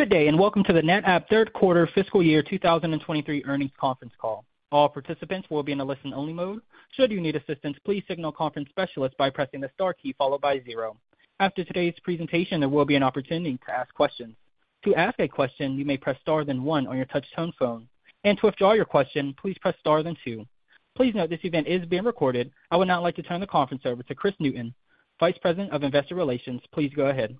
Good day, and welcome to the NetApp 3rd quarter fiscal year 2023 earnings conference call. All participants will be in a listen-only mode. Should you need assistance, please signal conference specialist by pressing the star key followed by zero. After today's presentation, there will be an opportunity to ask questions. To ask a question, you may press Star then one on your touch-tone phone. To withdraw your question, please press Star then two. Please note this event is being recorded. I would now like to turn the conference over to Kris Newton, Vice President of Investor Relations. Please go ahead.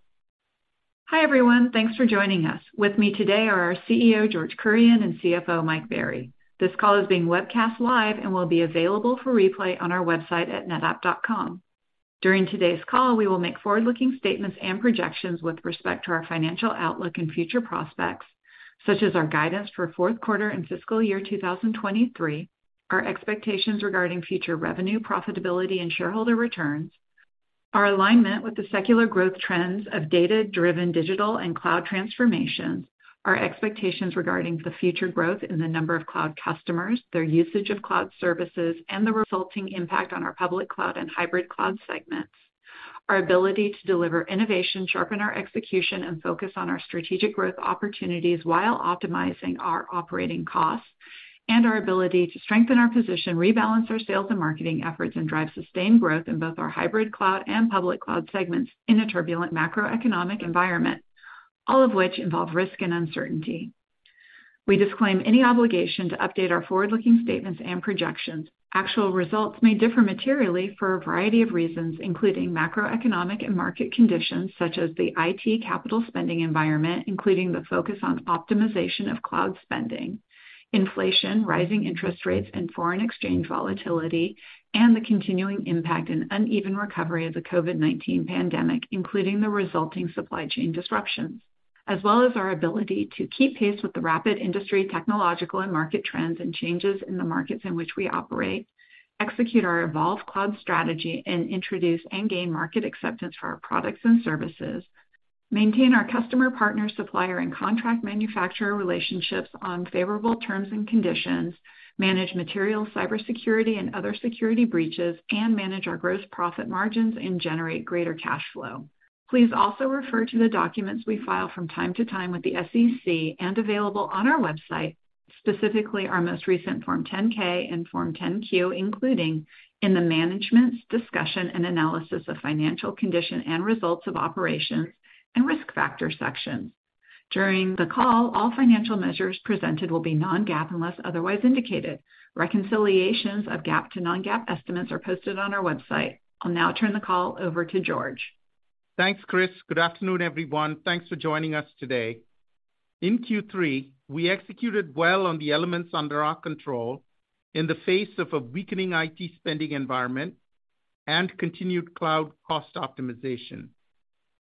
Hi, everyone. Thanks for joining us. With me today are our CEO, George Kurian, and CFO, Mike Berry. This call is being webcast live and will be available for replay on our website at netapp.com. During today's call, we will make forward-looking statements and projections with respect to our financial outlook and future prospects, such as our guidance for fourth quarter and fiscal year 2023, our expectations regarding future revenue, profitability and shareholder returns, our alignment with the secular growth trends of data-driven digital and cloud transformations, our expectations regarding the future growth in the number of cloud customers, their usage of cloud services, and the resulting impact on our public cloud and hybrid cloud segments, our ability to deliver innovation, sharpen our execution, and focus on our strategic growth opportunities while optimizing our operating costs, and our ability to strengthen our position, rebalance our sales and marketing efforts, and drive sustained growth in both our hybrid cloud and public cloud segments in a turbulent macroeconomic environment, all of which involve risk and uncertainty. We disclaim any obligation to update our forward-looking statements and projections. Actual results may differ materially for a variety of reasons, including macroeconomic and market conditions, such as the IT capital spending environment, including the focus on optimization of cloud spending, inflation, rising interest rates and foreign exchange volatility, and the continuing impact and uneven recovery of the COVID-19 pandemic, including the resulting supply chain disruptions, as well as our ability to keep pace with the rapid industry technological and market trends and changes in the markets in which we operate, execute our evolved cloud strategy and introduce and gain market acceptance for our products and services, maintain our customer, partner, supplier, and contract manufacturer relationships on favorable terms and conditions, manage material cybersecurity and other security breaches, and manage our gross profit margins and generate greater cash flow. Please also refer to the documents we file from time to time with the SEC and available on our website, specifically our most recent Form 10-K and Form 10-Q, including in the management's discussion and analysis of financial condition and results of operations and risk factor sections. During the call, all financial measures presented will be non-GAAP unless otherwise indicated. Reconciliations of GAAP to non-GAAP estimates are posted on our website. I'll now turn the call over to George. Thanks, Kris. Good afternoon, everyone. Thanks for joining us today. In Q3, we executed well on the elements under our control in the face of a weakening IT spending environment and continued cloud cost optimization.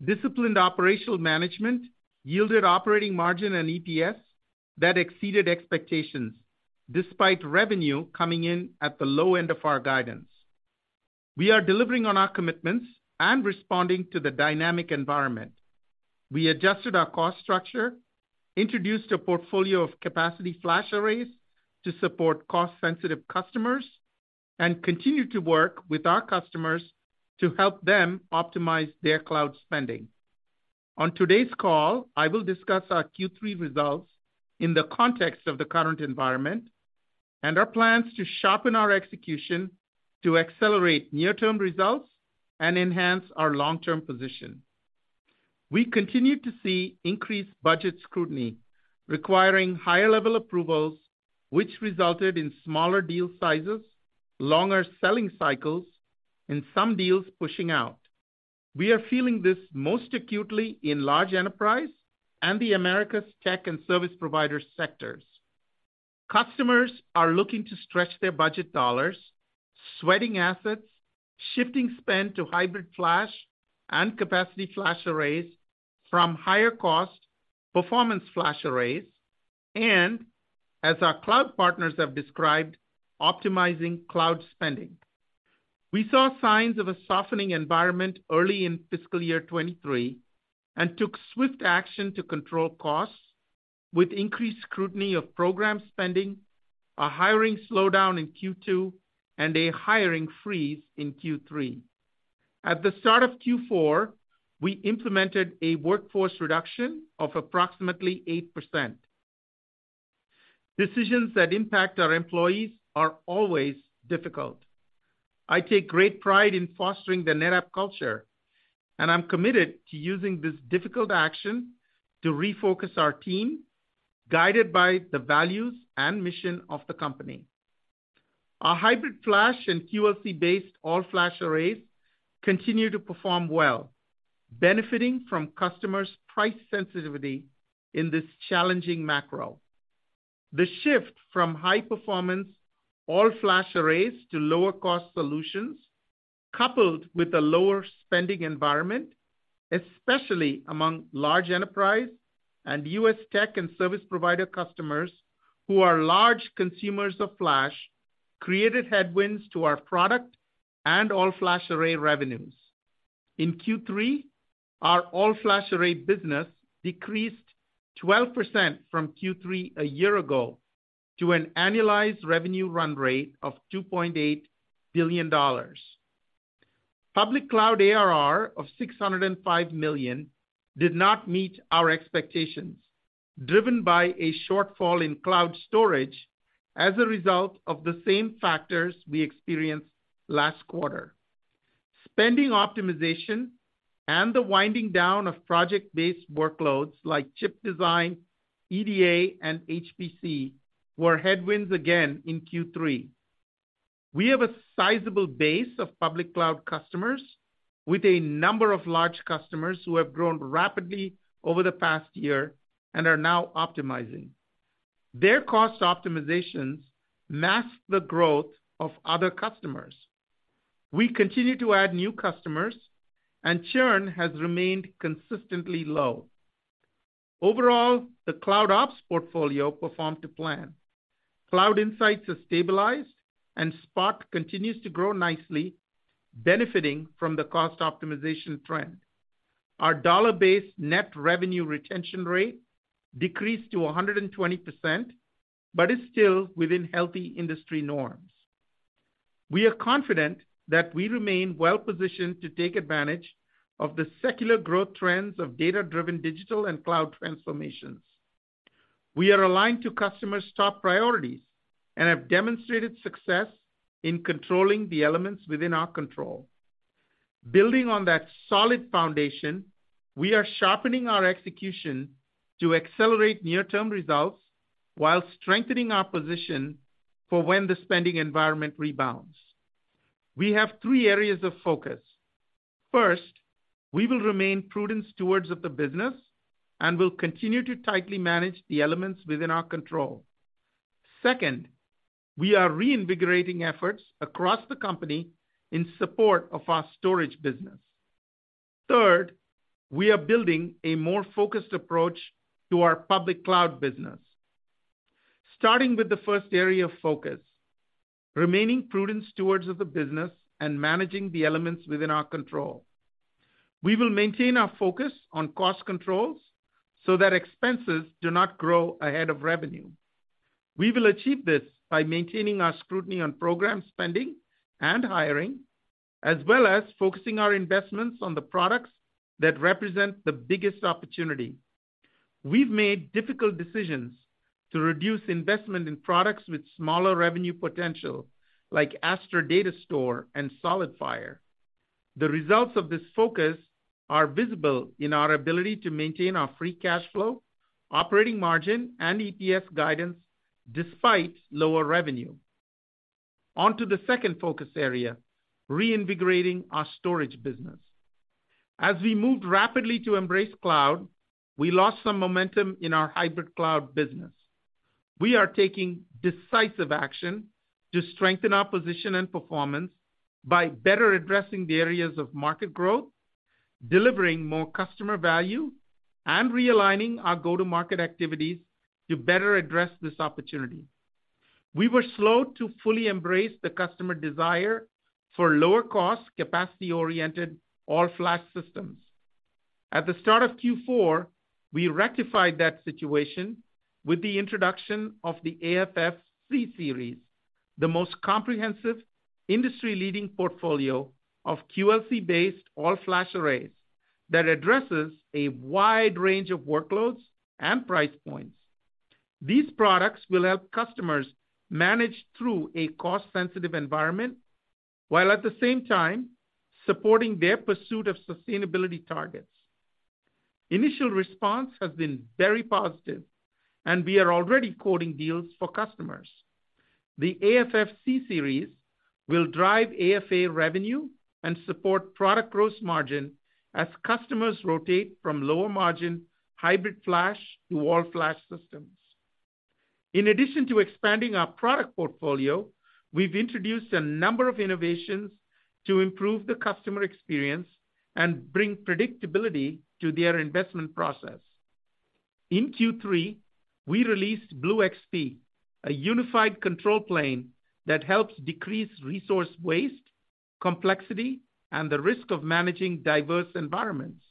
Disciplined operational management yielded operating margin and EPS that exceeded expectations despite revenue coming in at the low end of our guidance. We are delivering on our commitments and responding to the dynamic environment. We adjusted our cost structure, introduced a portfolio of capacity FlashArrays to support cost sensitive customers, and continue to work with our customers to help them optimize their cloud spending. On today's call, I will discuss our Q3 results in the context of the current environment and our plans to sharpen our execution to accelerate near-term results and enhance our long-term position. We continue to see increased budget scrutiny requiring higher level approvals, which resulted in smaller deal sizes, longer selling cycles, and some deals pushing out. We are feeling this most acutely in large enterprise and the Americas tech and service provider sectors. Customers are looking to stretch their budget dollars, sweating assets, shifting spend to hybrid flash and capacity FlasFArrays from higher cost performance FlashArrays, and as our cloud partners have described, optimizing cloud spending. We saw signs of a softening environment early in fiscal year 2023 and took swift action to control costs with increased scrutiny of program spending, a hiring slowdown in Q2, and a hiring freeze in Q3. At the start of Q4, we implemented a workforce reduction of approximately 8%. Decisions that impact our employees are always difficult. I take great pride in fostering the NetApp culture, I'm committed to using this difficult action to refocus our team, guided by the values and mission of the company. Our hybrid flash and QLC-based All-Flash Arrays continue to perform well, benefiting from customers' price sensitivity in this challenging macro. The shift from high performance All-Flash Arrays to lower cost solutions, coupled with the lower spending environment, especially among large enterprise and U.S. tech and service provider customers who are large consumers of flash, created headwinds to our product and All-Flash Array revenues. In Q3, our All-Flash Array business decreased 12% from Q3 a year ago to an annualized revenue run rate of $2.8 billion. Public cloud ARR of $605 million did not meet our expectations, driven by a shortfall in cloud storage as a result of the same factors we experienced last quarter. Spending optimization and the winding down of project-based workloads like chip design, EDA, and HPC were headwinds again in Q3. We have a sizable base of public cloud customers with a number of large customers who have grown rapidly over the past year and are now optimizing. Their cost optimizations mask the growth of other customers. We continue to add new customers. Churn has remained consistently low. Overall, the Cloud Ops portfolio performed to plan. Cloud Insights have stabilized. Spot continues to grow nicely, benefiting from the cost optimization trend. Our dollar-based net revenue retention rate decreased to 120%. It is still within healthy industry norms. We are confident that we remain well-positioned to take advantage of the secular growth trends of data-driven digital and cloud transformations. We are aligned to customers' top priorities and have demonstrated success in controlling the elements within our control. Building on that solid foundation, we are sharpening our execution to accelerate near-term results while strengthening our position for when the spending environment rebounds. We have three areas of focus. First, we will remain prudent stewards of the business and will continue to tightly manage the elements within our control. Second, we are reinvigorating efforts across the company in support of our storage business. Third, we are building a more focused approach to our public cloud business. Starting with the first area of focus, remaining prudent stewards of the business and managing the elements within our control. We will maintain our focus on cost controls so that expenses do not grow ahead of revenue. We will achieve this by maintaining our scrutiny on program spending and hiring, as well as focusing our investments on the products that represent the biggest opportunity. We've made difficult decisions to reduce investment in products with smaller revenue potential, like Astra Data Store and SolidFire. The results of this focus are visible in our ability to maintain our free cash flow, operating margin, and EPS guidance despite lower revenue. On to the second focus area, reinvigorating our storage business. As we moved rapidly to embrace cloud, we lost some momentum in our hybrid cloud business. We are taking decisive action to strengthen our position and performance by better addressing the areas of market growth, delivering more customer value, and realigning our go-to-market activities to better address this opportunity. We were slow to fully embrace the customer desire for lower cost, capacity-oriented, all-flash systems. At the start of Q4, we rectified that situation with the introduction of the AFF C-Series, the most comprehensive industry-leading portfolio of QLC-based All-Fash Arrays that addresses a wide range of workloads and price points. These products will help customers manage through a cost-sensitive environment, while at the same time supporting their pursuit of sustainability targets. Initial response has been very positive, and we are already quoting deals for customers. The AFF C-Series will drive AFA revenue and support product gross margin as customers rotate from lower margin hybrid flash to all-flash systems. In addition to expanding our product portfolio, we've introduced a number of innovations to improve the customer experience and bring predictability to their investment process. In Q3, we released BlueXP, a unified control plane that helps decrease resource waste, complexity, and the risk of managing diverse environments.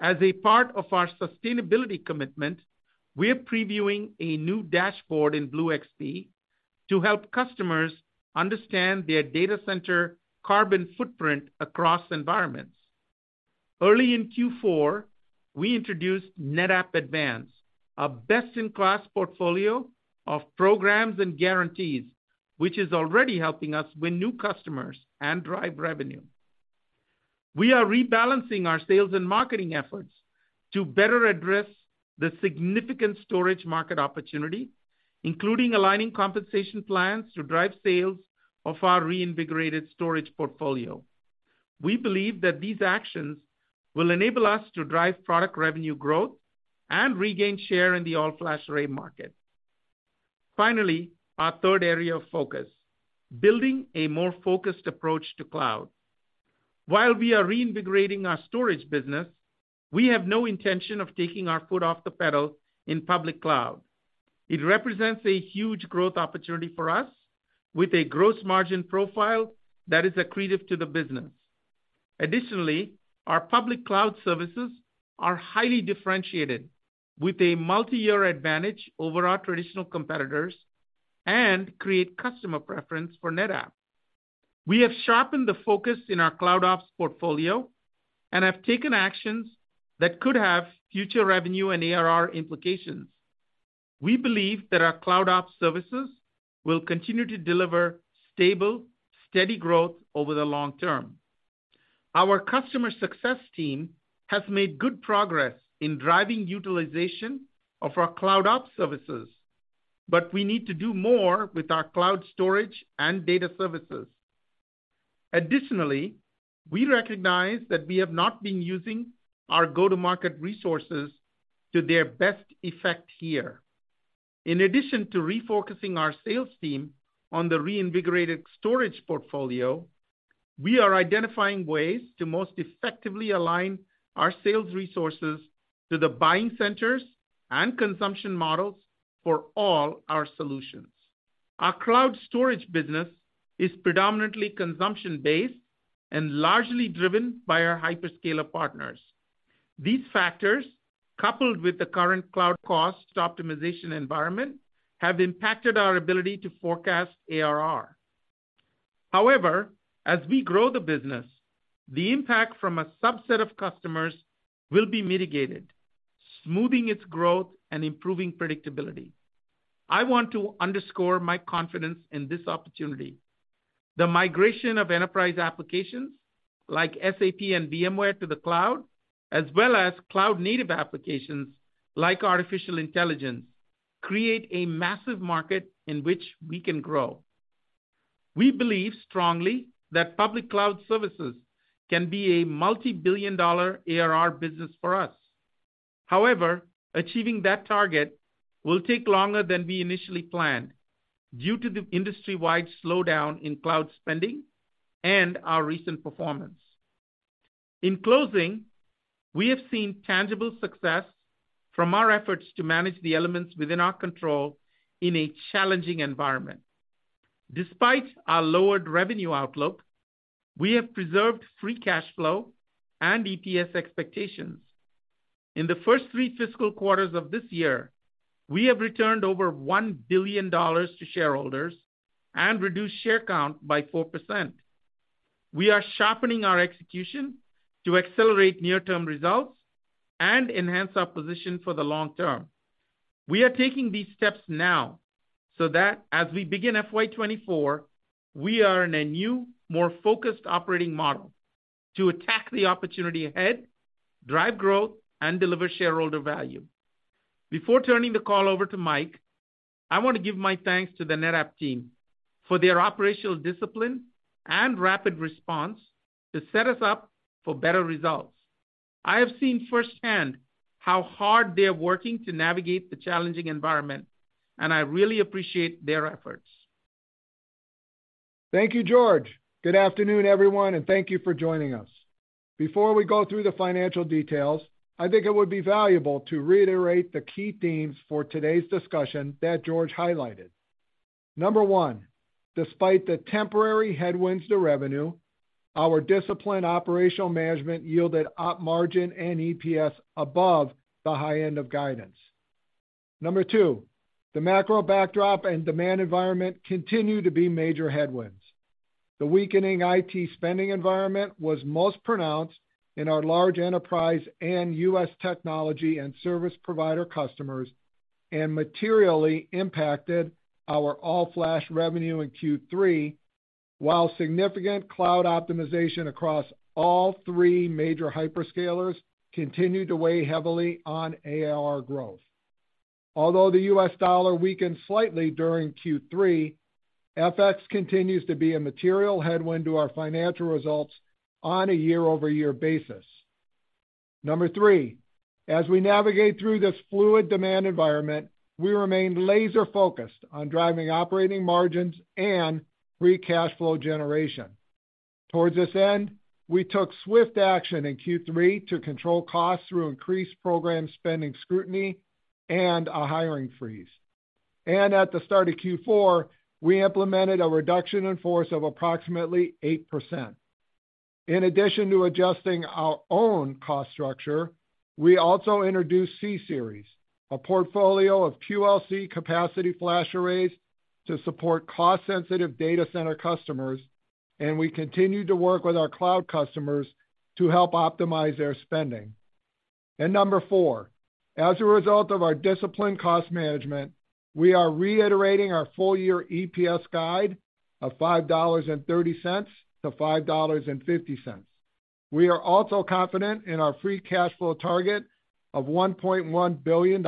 As a part of our sustainability commitment, we're previewing a new dashboard in BlueXP to help customers understand their data center carbon footprint across environments. Early in Q4, we introduced NetApp Advance, a best-in-class portfolio of programs and guarantees, which is already helping us win new customers and drive revenue. We are rebalancing our sales and marketing efforts to better address the significant storage market opportunity, including aligning compensation plans to drive sales of our reinvigorated storage portfolio. We believe that these actions will enable us to drive product revenue growth and regain share in the All-Flash Array market. Our third area of focus, building a more focused approach to cloud. While we are reinvigorating our storage business, we have no intention of taking our foot off the pedal in public cloud. It represents a huge growth opportunity for us with a gross margin profile that is accretive to the business. Additionally, our public cloud services are highly differentiated with a multi-year advantage over our traditional competitors. Create customer preference for NetApp. We have sharpened the focus in our CloudOps portfolio and have taken actions that could have future revenue and ARR implications. We believe that our CloudOps services will continue to deliver stable, steady growth over the long term. Our customer success team has made good progress in driving utilization of our CloudOps services, but we need to do more with our cloud storage and data services. Additionally, we recognize that we have not been using our go-to-market resources to their best effect here. In addition to refocusing our sales team on the reinvigorated storage portfolio, we are identifying ways to most effectively align our sales resources to the buying centers and consumption models for all our solutions. Our cloud storage business is predominantly consumption-based and largely driven by our hyperscaler partners. These factors, coupled with the current cloud cost optimization environment, have impacted our ability to forecast ARR. As we grow the business, the impact from a subset of customers will be mitigated, smoothing its growth and improving predictability. I want to underscore my confidence in this opportunity. The migration of enterprise applications like SAP and VMware to the cloud, as well as cloud-native applications like artificial intelligence, create a massive market in which we can grow. We believe strongly that public cloud services can be a multi-billion-dollar ARR business for us. Achieving that target will take longer than we initially planned due to the industry-wide slowdown in cloud spending and our recent performance. In closing, we have seen tangible success from our efforts to manage the elements within our control in a challenging environment. Despite our lowered revenue outlook, we have preserved free cash flow and EPS expectations. In the first three fiscal quarters of this year, we have returned over $1 billion to shareholders and reduced share count by 4%. We are sharpening our execution to accelerate near-term results and enhance our position for the long term. We are taking these steps now so that as we begin FY 2024, we are in a new, more focused operating model to attack the opportunity ahead, drive growth, and deliver shareholder value. Before turning the call over to Mike, I want to give my thanks to the NetApp team for their operational discipline and rapid response to set us up for better results. I have seen firsthand how hard they are working to navigate the challenging environment. I really appreciate their efforts. Thank you, George. Good afternoon, everyone, thank you for joining us. Before we go through the financial details, I think it would be valuable to reiterate the key themes for today's discussion that George highlighted. Number one, despite the temporary headwinds to revenue, our disciplined operational management yielded op margin and EPS above the high end of guidance. Number two, the macro backdrop and demand environment continue to be major headwinds. The weakening IT spending environment was most pronounced in our large enterprise and U.S. technology and service provider customers and materially impacted our All-Flash revenue in Q3, while significant cloud optimization across all three major hyperscalers continued to weigh heavily on ARR growth. Although the U.S. dollar weakened slightly during Q3, FX continues to be a material headwind to our financial results on a year-over-year basis. Number three, as we navigate through this fluid demand environment, we remain laser-focused on driving operating margins and free cash flow generation. Towards this end, we took swift action in Q3 to control costs through increased program spending scrutiny and a hiring freeze. At the start of Q4, we implemented a reduction in force of approximately 8%. In addition to adjusting our own cost structure, we also introduced C-Series, a portfolio of QLC capacity FlashArrays to support cost-sensitive data center customers, and we continue to work with our cloud customers to help optimize their spending. Number four, as a result of our disciplined cost management, we are reiterating our full-year EPS guide of $5.30-$5.50. We are also confident in our free cash flow target of $1.1 billion,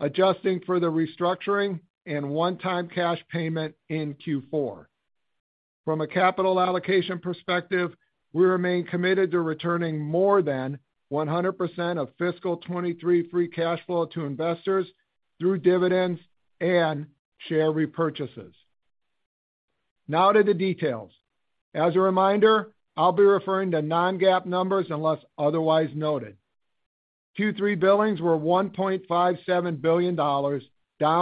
adjusting for the restructuring and one-time cash payment in Q4. From a capital allocation perspective, we remain committed to returning more than 100% of fiscal 23 free cash flow to investors through dividends and share repurchases. Now to the details. As a reminder, I'll be referring to non-GAAP numbers unless otherwise noted. Q3 billings were $1.57 billion, down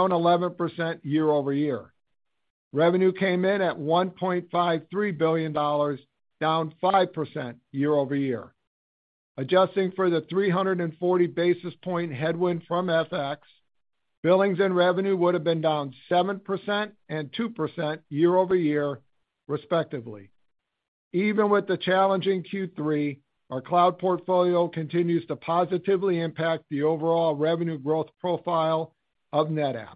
11% year-over-year. Revenue came in at $1.53 billion, down 5% year-over-year. Adjusting for the 340 basis point headwind from FX, billings and revenue would have been down 7% and 2% year-over-year, respectively. Even with the challenging Q3, our cloud portfolio continues to positively impact the overall revenue growth profile of NetApp.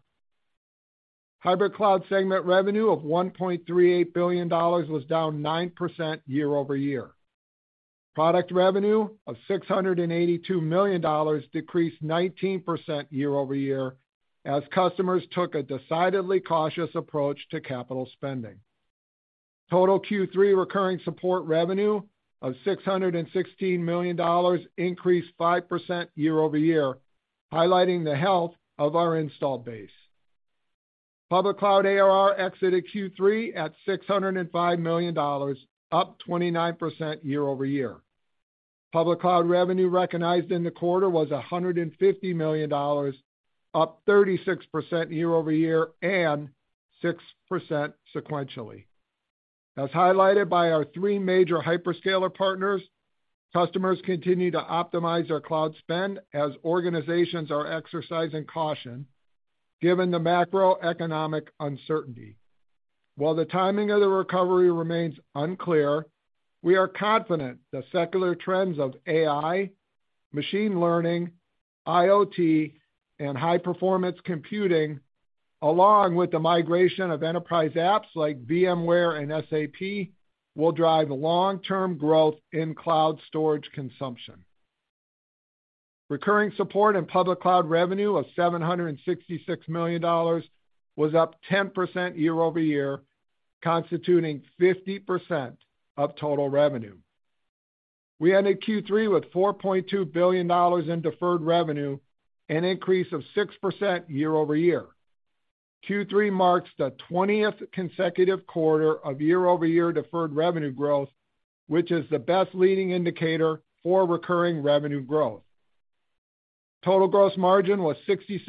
Hybrid cloud segment revenue of $1.38 billion was down 9% year-over-year. Product revenue of $682 million decreased 19% year-over-year as customers took a decidedly cautious approach to capital spending. Total Q3 recurring support revenue of $616 million increased 5% year-over-year, highlighting the health of our installed base. Public cloud ARR exited Q3 at $605 million, up 29% year-over-year. Public cloud revenue recognized in the quarter was $150 million, up 36% year-over-year and 6% sequentially. As highlighted by our three major hyperscaler partners, customers continue to optimize their cloud spend as organizations are exercising caution given the macroeconomic uncertainty. While the timing of the recovery remains unclear, we are confident the secular trends of AI, machine learning, IoT, and high-performance computing, along with the migration of enterprise apps like VMware and SAP, will drive long-term growth in cloud storage consumption. Recurring support and public cloud revenue of $766 million was up 10% year-over-year, constituting 50% of total revenue. We ended Q3 with $4.2 billion in deferred revenue, an increase of 6% year-over-year. Q3 marks the twentieth consecutive quarter of year-over-year deferred revenue growth, which is the best leading indicator for recurring revenue growth. Total gross margin was 67%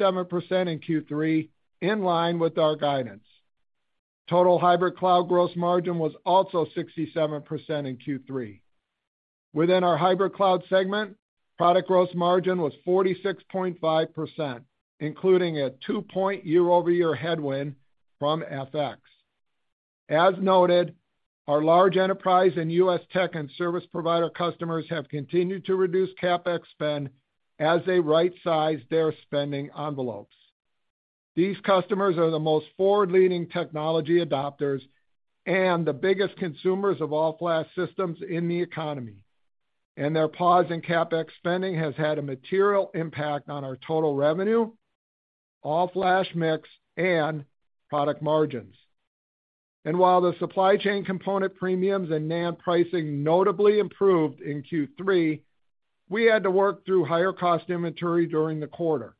in Q3, in line with our guidance. Total hybrid cloud gross margin was also 67% in Q3. Within our hybrid cloud segment, product gross margin was 46.5%, including a two-point year-over-year headwind from FX. As noted, our large enterprise in U.S. tech and service provider customers have continued to reduce CapEx spend as they right-size their spending envelopes. These customers are the most forward-leaning technology adopters and the biggest consumers of All-Flash systems in the economy. Their pause in CapEx spending has had a material impact on our total revenue, All-Flash mix, and product margins. While the supply chain component premiums and NAND pricing notably improved in Q3, we had to work through higher cost inventory during the quarter.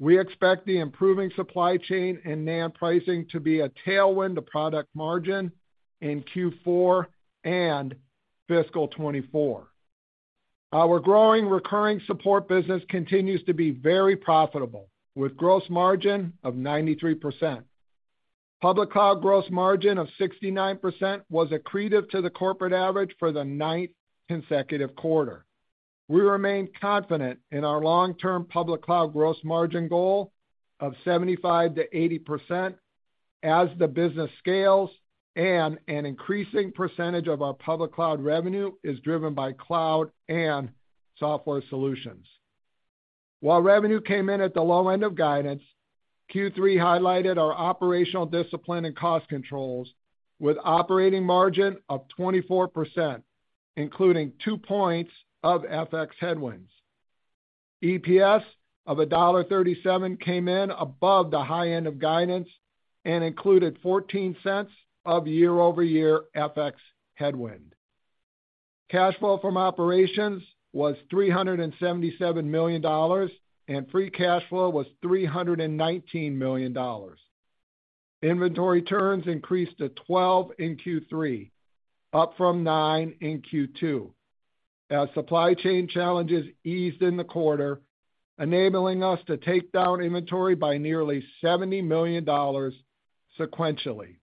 We expect the improving supply chain and NAND pricing to be a tailwind to product margin in Q4 and fiscal 2024. Our growing recurring support business continues to be very profitable, with gross margin of 93%. Public cloud gross margin of 69% was accretive to the corporate average for the ninth consecutive quarter. We remain confident in our long-term public cloud gross margin goal of 75%-80% as the business scales and an increasing percentage of our public cloud revenue is driven by cloud and software solutions. While revenue came in at the low end of guidance, Q3 highlighted our operational discipline and cost controls with operating margin of 24%, including 2 points of FX headwinds. EPS of $1.37 came in above the high end of guidance and included $0.14 of year-over-year FX headwind. Cash flow from operations was $377 million, and free cash flow was $319 million. Inventory turns increased to 12 in Q3, up from nine in Q2 as supply chain challenges eased in the quarter, enabling us to take down inventory by nearly $70 million sequentially.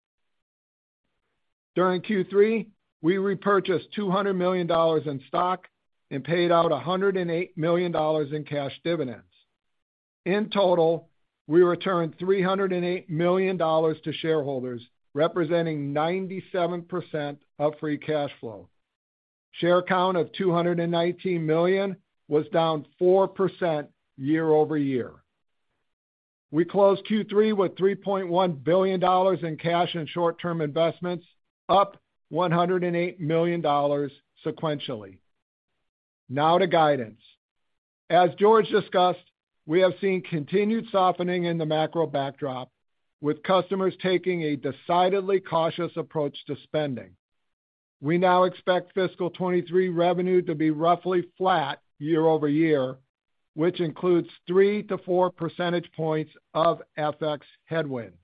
During Q3, we repurchased $200 million in stock and paid out $108 million in cash dividends. In total, we returned $308 million to shareholders, representing 97% of free cash flow. Share count of 219 million was down 4% year-over-year. We closed Q3 with $3.1 billion in cash and short-term investments, up $108 million sequentially. Now to guidance. As George discussed, we have seen continued softening in the macro backdrop, with customers taking a decidedly cautious approach to spending. We now expect fiscal 23 revenue to be roughly flat year-over-year, which includes 3 to 4 percentage points of FX headwind.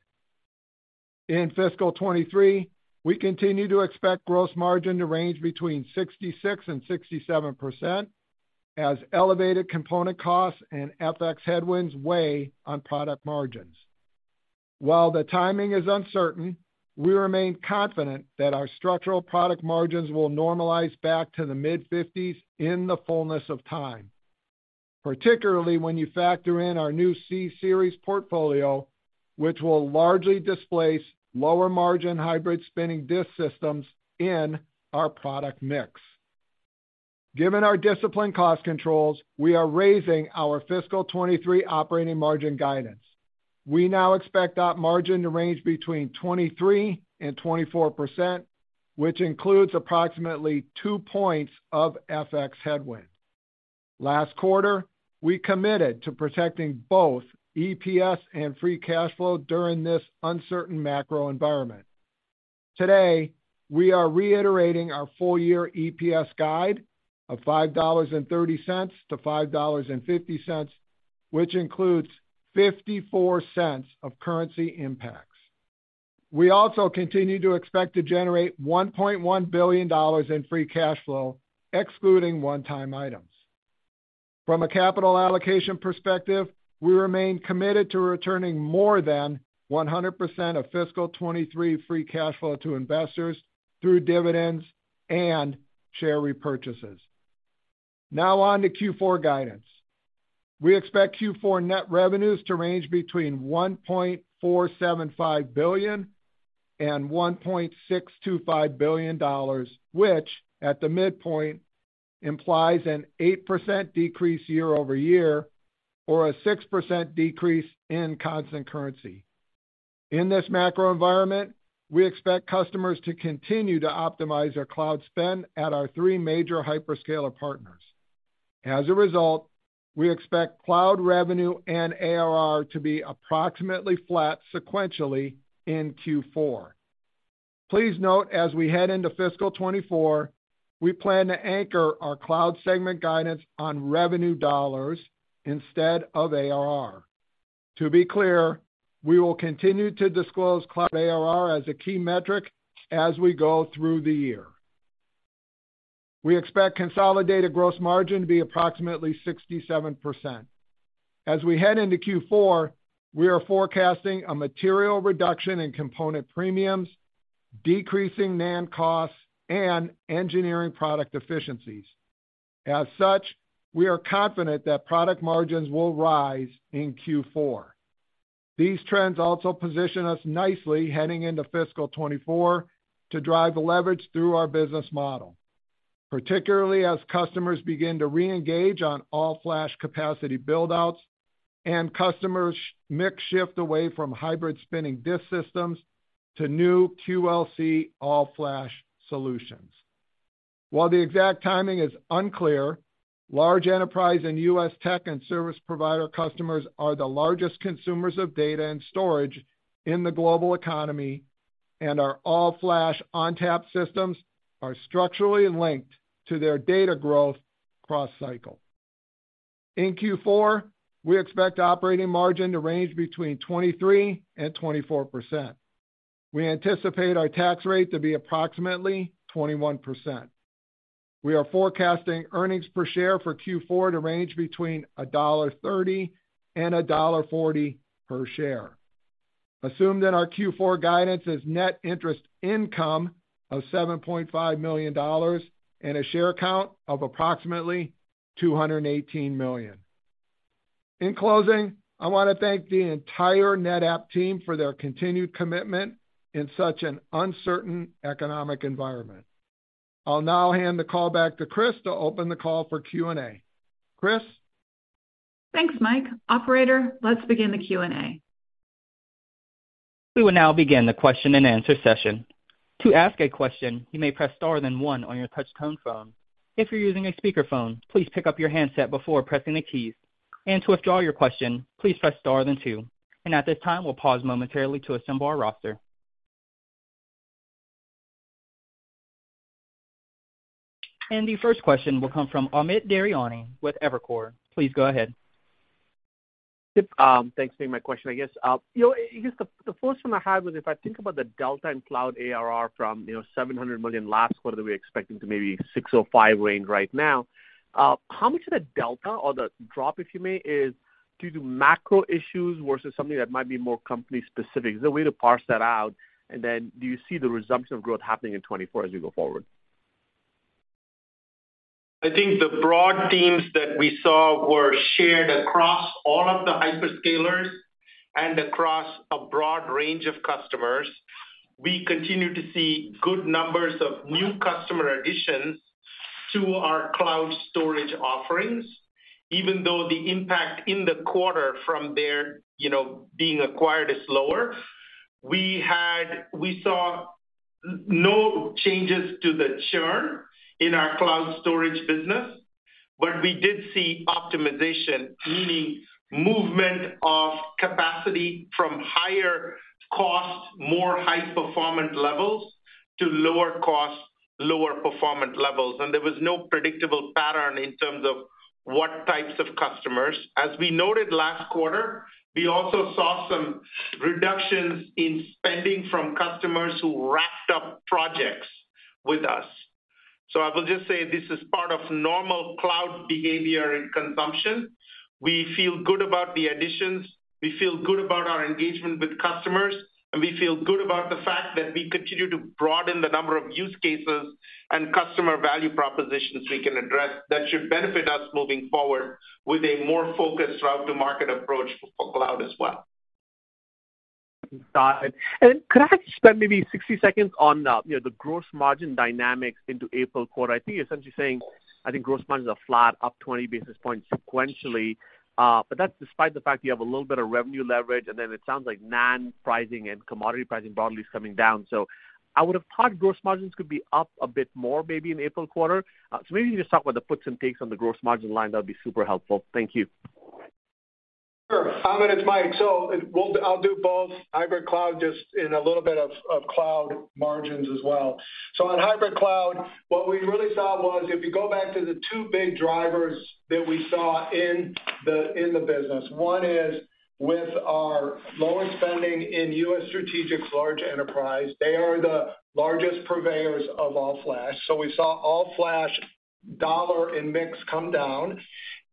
In fiscal 23, we continue to expect gross margin to range between 66% and 67% as elevated component costs and FX headwinds weigh on product margins. While the timing is uncertain, we remain confident that our structural product margins will normalize back to the mid-50s in the fullness of time, particularly when you factor in our new C-Series portfolio, which will largely displace lower margin hybrid spinning disk systems in our product mix. Given our disciplined cost controls, we are raising our fiscal 23 operating margin guidance. We now expect that margin to range between 23% and 24%, which includes approximately 2 points of FX headwind. Last quarter, we committed to protecting both EPS and free cash flow during this uncertain macro environment. Today, we are reiterating our full year EPS guide of $5.30-$5.50, which includes $0.54 of currency impacts. We also continue to expect to generate $1.1 billion in free cash flow, excluding one-time items. From a capital allocation perspective, we remain committed to returning more than 100% of fiscal 23 free cash flow to investors through dividends and share repurchases. On to Q4 guidance. We expect Q4 net revenues to range between $1.475 billion and $1.625 billion, which at the midpoint implies an 8% decrease year-over-year or a 6% decrease in constant currency. In this macro environment, we expect customers to continue to optimize their cloud spend at our three major hyperscaler partners. As a result, we expect cloud revenue and ARR to be approximately flat sequentially in Q4. Please note as we head into fiscal 2024, we plan to anchor our cloud segment guidance on revenue dollars instead of ARR. To be clear, we will continue to disclose cloud ARR as a key metric as we go through the year. We expect consolidated gross margin to be approximately 67%. As we head into Q4, we are forecasting a material reduction in component premiums, decreasing NAND costs, and engineering product efficiencies. We are confident that product margins will rise in Q4. These trends also position us nicely heading into fiscal 2024 to drive leverage through our business model, particularly as customers begin to reengage on All-Flash capacity build-outs and customers mix shift away from hybrid spinning disk systems to new QLC All-Flash solutions. While the exact timing is unclear, large enterprise and U.S. tech and service provider customers are the largest consumers of data and storage in the global economy, and our All-Flash ONTAP systems are structurally linked to their data growth cross-cycle. In Q4, we expect operating margin to range between 23% and 24%. We anticipate our tax rate to be approximately 21%. We are forecasting earnings per share for Q4 to range between $1.30 and $1.40 per share. Assume that our Q4 guidance is net interest income of $7.5 million and a share count of approximately 218 million. In closing, I want to thank the entire NetApp team for their continued commitment in such an uncertain economic environment. I'll now hand the call back to Kris to open the call for Q&A. Kris? Thanks, Mike. Operator, let's begin the Q&A. We will now begin the question-and-answer session. To ask a question, you may press star then one on your touchtone phone. If you're using a speakerphone, please pick up your handset before pressing the keys. To withdraw your question, please press star then two. At this time, we'll pause momentarily to assemble our roster. The first question will come from Amit Daryanani with Evercore. Please go ahead. Yep, thanks for taking my question, I guess. You know, I guess the first one I had was if I think about the delta in cloud ARR from, you know, $700 million last quarter that we're expecting to maybe $605 million range right now, how much of the delta or the drop, if you may, is due to macro issues versus something that might be more company specific? Is there a way to parse that out? Do you see the resumption of growth happening in 2024 as we go forward? I think the broad themes that we saw were shared across all of the hyperscalers and across a broad range of customers. We continue to see good numbers of new customer additions to our cloud storage offerings, even though the impact in the quarter from their, you know, being acquired is lower. We saw no changes to the churn in our cloud storage business, but we did see optimization, meaning movement of capacity from higher cost, more high performance levels to lower cost, lower performance levels. There was no predictable pattern in terms of what types of customers. As we noted last quarter, we also saw some reductions in spending from customers who wrapped up projects with us. I will just say this is part of normal cloud behavior and consumption. We feel good about the additions, we feel good about our engagement with customers, and we feel good about the fact that we continue to broaden the number of use cases and customer value propositions we can address that should benefit us moving forward with a more focused route to market approach for cloud as well. Got it. Could I just spend maybe 60 seconds on the, you know, the gross margin dynamics into April quarter? I think you're essentially saying I think gross margins are flat, up 20 basis points sequentially. That's despite the fact you have a little bit of revenue leverage, and then it sounds like NAND pricing and commodity pricing broadly is coming down. I would have thought gross margins could be up a bit more maybe in April quarter. Maybe you just talk about the puts and takes on the gross margin line. That'd be super helpful. Thank you. Sure. Amit, it's Mike. I'll do both hybrid cloud, just in a little bit of cloud margins as well. On hybrid cloud, what we really saw was if you go back to the two big drivers that we saw in the business, one is with our lower spending in U.S. strategic large enterprise. They are the largest purveyors of All-Flash. We saw All-Flash dollar and mix come down.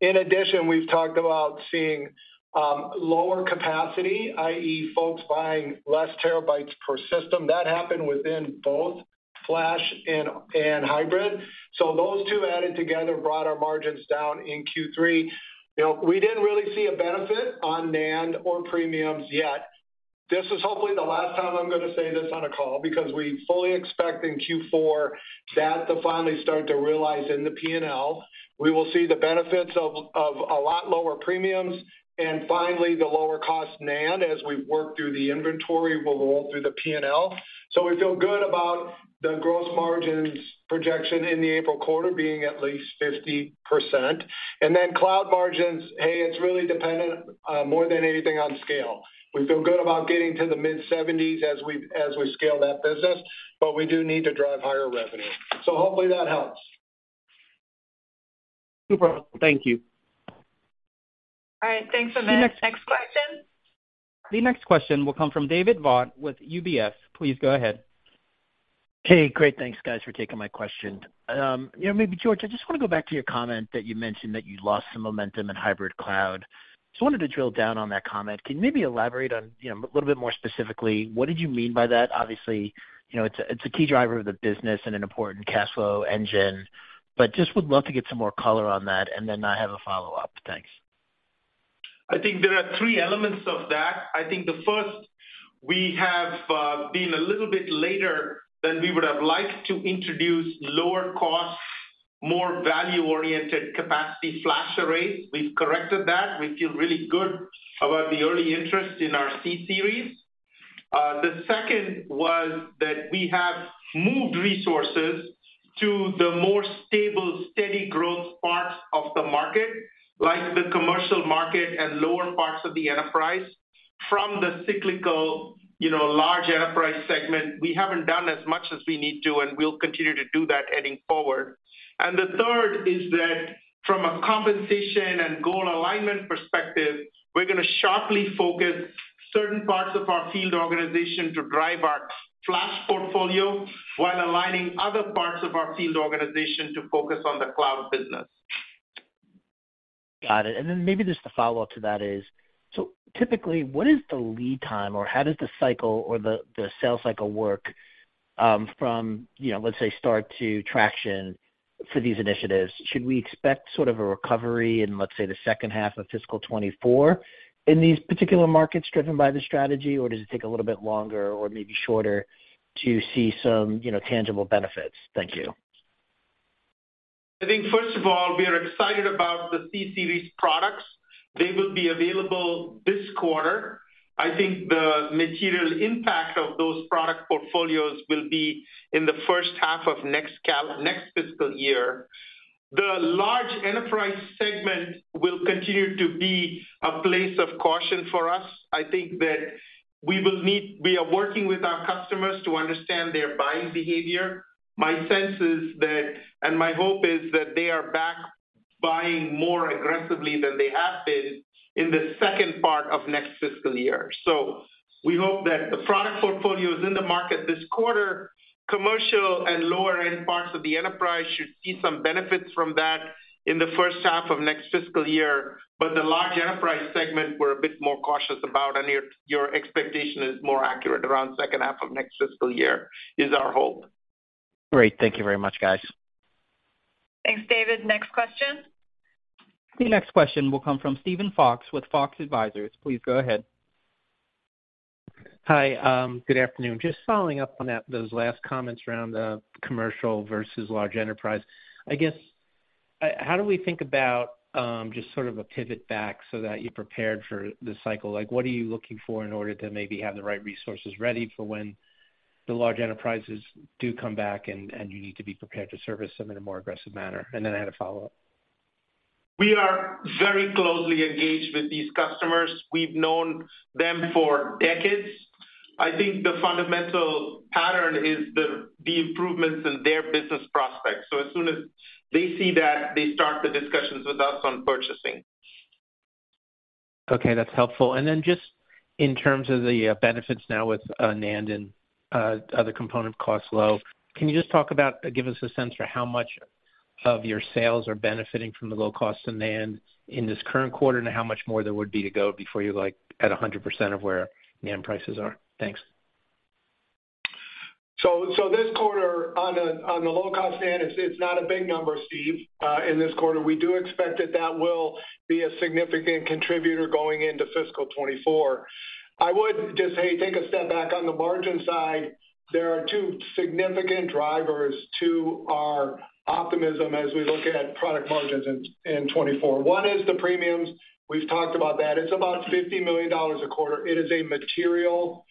In addition, we've talked about seeing lower capacity, i.e., folks buying less terabytes per system. That happened within both flash and hybrid. Those two added together brought our margins down in Q3. You know, we didn't really see a benefit on NAND or premiums yet. This is hopefully the last time I'm gonna say this on a call because we fully expect in Q4 that to finally start to realize in the P&L. We will see the benefits of a lot lower premiums and finally the lower cost NAND as we work through the inventory will roll through the P&L. We feel good about the gross margins projection in the April quarter being at least 50%. Cloud margins, hey, it's really dependent, more than anything on scale. We feel good about getting to the mid-70s as we scale that business, but we do need to drive higher revenue. Hopefully that helps. Super helpful. Thank you. All right, thanks, Amit. Next question. The next question will come from David Vogt with UBS. Please go ahead. Hey, great. Thanks, guys, for taking my question. You know, maybe George, I just want to go back to your comment that you mentioned that you lost some momentum in hybrid cloud. I wanted to drill down on that comment. Can you maybe elaborate on, you know, a little bit more specifically, what did you mean by that? Obviously, you know, it's a, it's a key driver of the business and an important cash flow engine. Just would love to get some more color on that, and then I have a follow-up. Thanks. I think there are three elements of that. I think the first, we have been a little bit later than we would have liked to introduce lower cost, more value-oriented capacity FlashArrays. We've corrected that. We feel really good about the early interest in our C-Series. The second was that we have moved resources to the more stable, steady growth parts of the market, like the commercial market and lower parts of the enterprise from the cyclical, you know, large enterprise segment. We haven't done as much as we need to, and we'll continue to do that heading forward. The third is that from a compensation and goal alignment perspective, we're gonna sharply focus certain parts of our field organization to drive our flash portfolio while aligning other parts of our field organization to focus on the cloud business. Got it. Maybe just a follow-up to that is typically, what is the lead time or how does the cycle or the sales cycle work from, you know, let's say start to traction for these initiatives? Should we expect sort of a recovery in, let's say, the second half of fiscal 24 in these particular markets driven by the strategy? Does it take a little bit longer or maybe shorter to see some, you know, tangible benefits? Thank you. I think first of all, we are excited about the C-Series products. They will be available this quarter. I think the material impact of those product portfolios will be in the first half of next fiscal year. The large enterprise segment will continue to be a place of caution for us. I think that we are working with our customers to understand their buying behavior. My sense is that, and my hope is that they are back buying more aggressively than they have been in the second part of next fiscal year. We hope that the product portfolio is in the market this quarter. Commercial and lower end parts of the enterprise should see some benefits from that in the first half of next fiscal year. The large enterprise segment we're a bit more cautious about, and your expectation is more accurate around second half of next fiscal year is our hope. Great. Thank you very much, guys. Thanks, David. Next question. The next question will come from Steven Fox with Fox Advisors. Please go ahead. Hi. good afternoon. Just following up on that, those last comments around commercial versus large enterprise. I guess, how do we think about just sort of a pivot back so that you're prepared for the cycle? Like, what are you looking for in order to maybe have the right resources ready for when the large enterprises do come back and you need to be prepared to service them in a more aggressive manner? I had a follow-up. We are very closely engaged with these customers. We've known them for decades. I think the fundamental pattern is the improvements in their business prospects. As soon as they see that, they start the discussions with us on purchasing. Okay, that's helpful. Just in terms of the benefits now with NAND and other component costs low, can you give us a sense for how much of your sales are benefiting from the low cost of NAND in this current quarter, and how much more there would be to go before you're like at 100% of where NAND prices are? Thanks. This quarter on the low-cost NAND, it's not a big number, Steven Fox. In this quarter, we do expect that that will be a significant contributor going into fiscal 2024. I would just say take a step back. On the margin side, there are two significant drivers to our optimism as we look at product margins in 2024. One is the premiums. We've talked about that. It's about $50 million a quarter. It is a material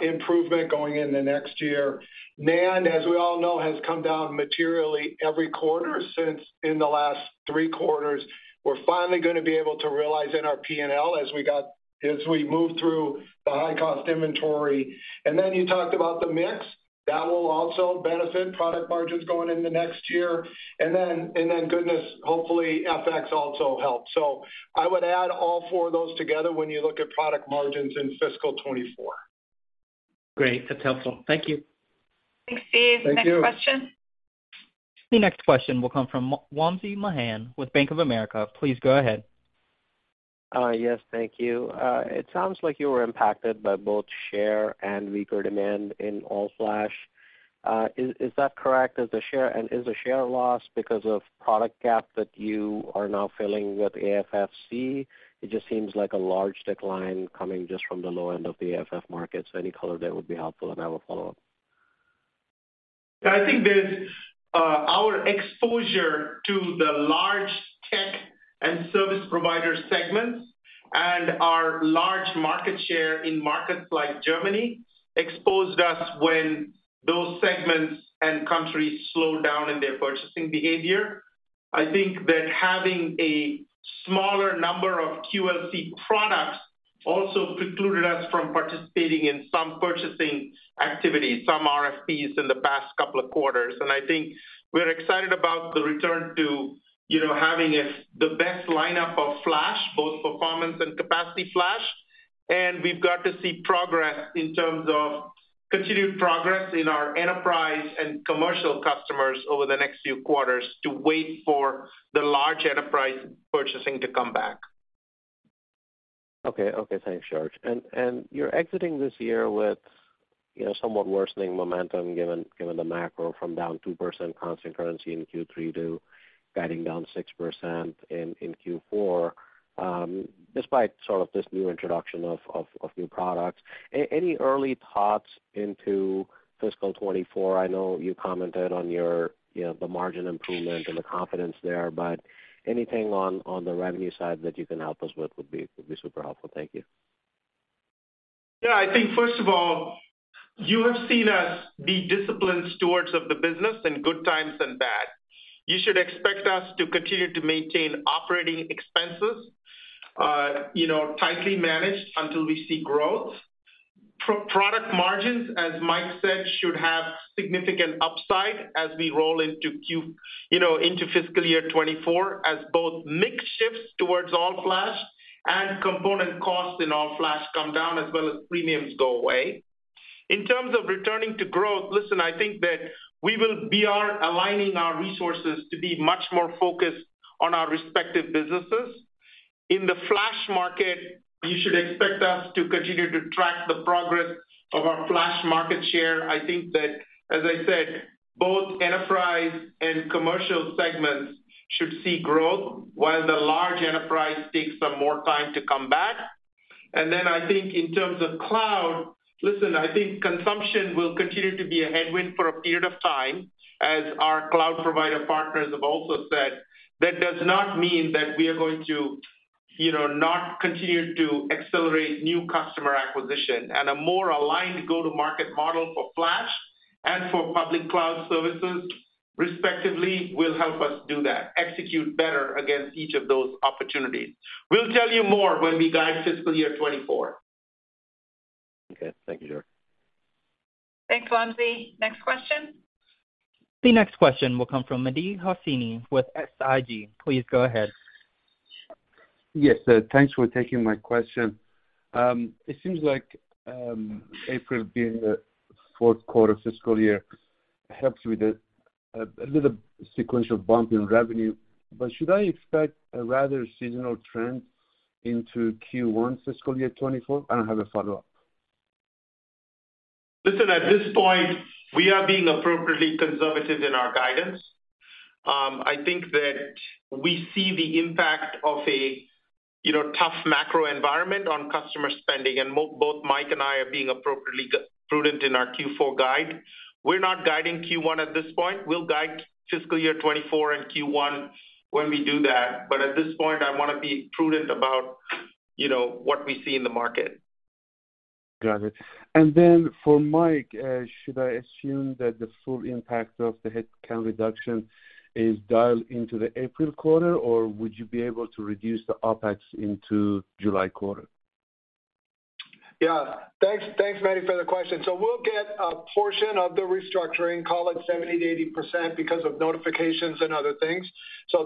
improvement going into next year. NAND, as we all know, has come down materially every quarter since in the last three quarters. We're finally gonna be able to realize in our P&L as we move through the high-cost inventory. Then you talked about the mix. That will also benefit product margins going into next year. goodness, hopefully FX also helps. I would add all four of those together when you look at product margins in fiscal 24. Great. That's helpful. Thank you. Thanks, Steve. Thank you. Next question. The next question will come from Wamsi Mohan with Bank of America. Please go ahead. Yes, thank you. It sounds like you were impacted by both share and weaker demand in All-Flash. Is that correct? Is the share loss because of product gap that you are now filling with AFFC? It just seems like a large decline coming just from the low end of the AFF market. Any color there would be helpful, and I will follow up. I think there's our exposure to the large tech and service provider segments and our large market share in markets like Germany exposed us when those segments and countries slowed down in their purchasing behavior. I think that having a smaller number of QLC products also precluded us from participating in some purchasing activities, some RFPs in the past couple of quarters. I think we're excited about the return to, you know, having the best lineup of flash, both performance and capacity flash. We've got to see progress in terms of continued progress in our enterprise and commercial customers over the next few quarters to wait for the large enterprise purchasing to come back. Okay, okay, thanks, George. You're exiting this year with, you know, somewhat worsening momentum given the macro from down 2% constant currency in Q3 to guiding down 6% in Q4, despite sort of this new introduction of new products. Any early thoughts into fiscal 2024? I know you commented on your, you know, the margin improvement and the confidence there, but anything on the revenue side that you can help us with would be super helpful. Thank you. Yeah. I think first of all, you have seen us be disciplined stewards of the business in good times and bad. You should expect us to continue to maintain operating expenses, you know, tightly managed until we see growth. Product margins, as Mike said, should have significant upside as we roll into Q, you know, into fiscal year 24, as both mix shifts towards all-flash and component costs in all-flash come down, as well as premiums go away. In terms of returning to growth, listen, I think that we will be aligning our resources to be much more focused on our respective businesses. In the flash market, you should expect us to continue to track the progress of our flash market share. I think that, as I said, both enterprise and commercial segments should see growth while the large enterprise takes some more time to come back. I think in terms of cloud, listen, I think consumption will continue to be a headwind for a period of time, as our cloud provider partners have also said. That does not mean that we are going to, you know, not continue to accelerate new customer acquisition. A more aligned go-to-market model for flash and for public cloud services respectively will help us do that, execute better against each of those opportunities. We'll tell you more when we guide fiscal year 2024. Okay. Thank you, George. Thanks, Wamsi. Next question. The next question will come from Mehdi Hosseini with SIG. Please go ahead. Yes. thanks for taking my question. It seems like, April being the fourth quarter fiscal year helps with the, a little sequential bump in revenue. Should I expect a rather seasonal trend into Q1 fiscal year 2024? I have a follow-up. Listen, at this point, we are being appropriately conservative in our guidance. I think that we see the impact of a, you know, tough macro environment on customer spending, and both Mike and I are being appropriately prudent in our Q4 guide. We're not guiding Q1 at this point. We'll guide fiscal year 24 and Q1 when we do that. At this point, I wanna be prudent about, you know, what we see in the market. Got it. Then for Mike, should I assume that the full impact of the headcount reduction is dialed into the April quarter, or would you be able to reduce the OpEx into July quarter? Thanks, Mehdi, for the question. We'll get a portion of the restructuring, call it 70%-80% because of notifications and other things.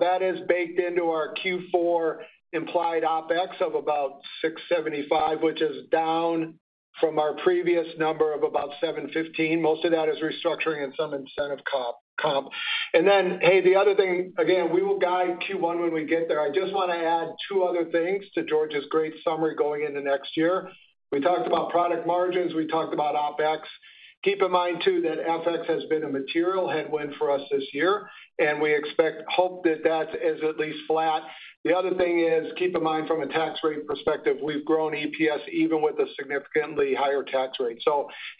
That is baked into our Q4 implied OpEx of about $675 million, which is down from our previous number of about $715 million. Most of that is restructuring and some incentive comp. hey, the other thing, again, we will guide Q1 when we get there. I just want to add two other things to George's great summary going into next year. We talked about product margins. We talked about OpEx. Keep in mind too that FX has been a material headwind for us this year, and hope that that is at least flat. The other thing is, keep in mind from a tax rate perspective, we've grown EPS even with a significantly higher tax rate.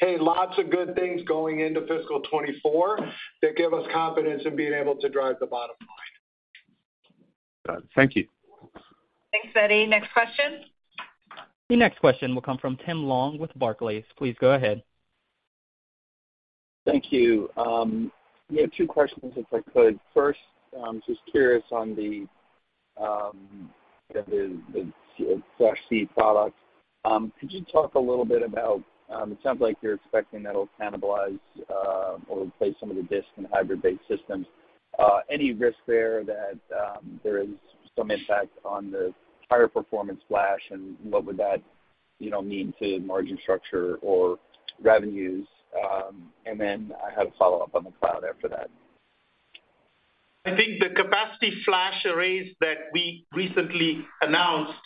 hey, lots of good things going into fiscal 2024 that give us confidence in being able to drive the bottom line. Thank you. Thanks, Eddie. Next question. The next question will come from Tim Long with Barclays. Please go ahead. Thank you. Yeah, two questions, if I could. First, just curious on the Flash C product. Could you talk a little bit about, it sounds like you're expecting that'll cannibalize or replace some of the disk and hybrid-based systems. Any risk there that there is some impact on the higher performance flash, and what would that, you know, mean to margin structure or revenues? I have a follow-up on the cloud after that. I think the capacity FlashArrays that we recently announced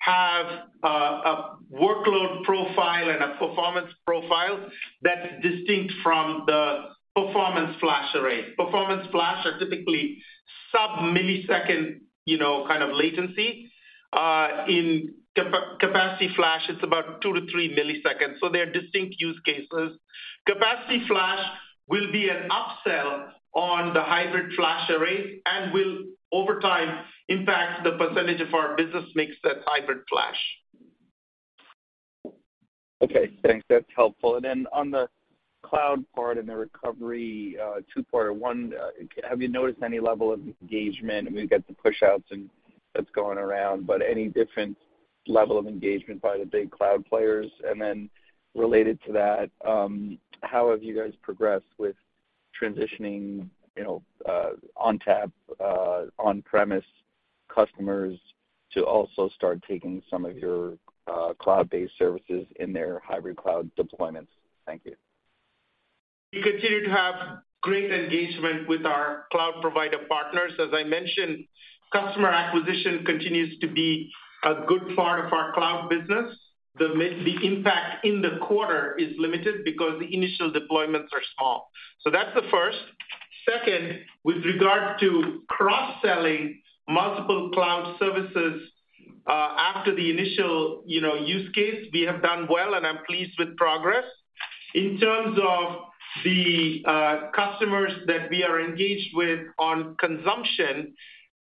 have a workload profile and a performance profile that's distinct from the performance FlashArray. Performance flash are typically sub-millisecond, you know, kind of latency. In capacity flash, it's about 2-3 milliseconds, so they're distinct use cases. Capacity flash will be an upsell on the hybrid FlashArray and will over time impact the percentage of our business mix at hybrid flash. Okay, thanks. That's helpful. On the cloud part and the recovery, two-parter. One, have you noticed any level of engagement? We've got the push outs and that's going around, but any different level of engagement by the big cloud players? Related to that, how have you guys progressed with transitioning, you know, ONTAP on-premise customers to also start taking some of your cloud-based services in their hybrid cloud deployments? Thank you. We continue to have great engagement with our cloud provider partners. As I mentioned, customer acquisition continues to be a good part of our cloud business. The impact in the quarter is limited because the initial deployments are small. That's the first. Second, with regard to cross-selling multiple cloud services, after the initial, you know, use case, we have done well, and I'm pleased with progress. In terms of the customers that we are engaged with on consumption,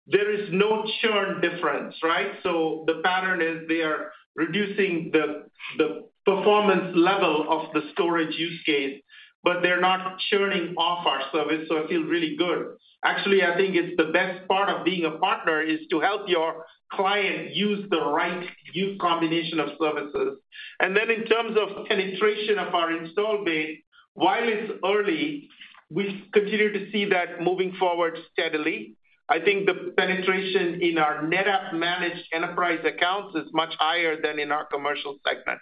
there is no churn difference, right? The pattern is they are reducing the performance level of the storage use case, but they're not churning off our service, so I feel really good. Actually, I think it's the best part of being a partner is to help your client use the right use combination of services. In terms of penetration of our install base, while it's early, we continue to see that moving forward steadily. I think the penetration in our NetApp managed enterprise accounts is much higher than in our commercial segment.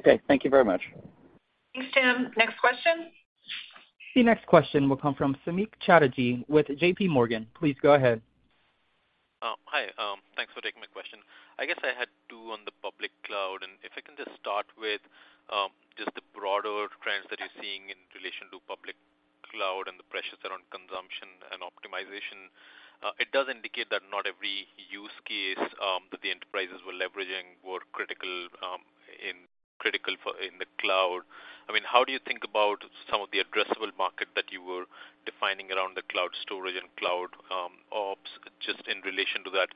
Okay, thank you very much. Thanks, Tim. Next question. The next question will come from Samik Chatterjee with JPMorgan. Please go ahead. Hi. Thanks for taking my question. I guess I had two on the public cloud, and if I can just start with just the broader trends that you're seeing in relation to public cloud and the pressures around consumption and optimization. It does indicate that not every use case that the enterprises were leveraging were critical for in the cloud. I mean, how do you think about some of the addressable market that you were defining around the cloud storage and CloudOps just in relation to that?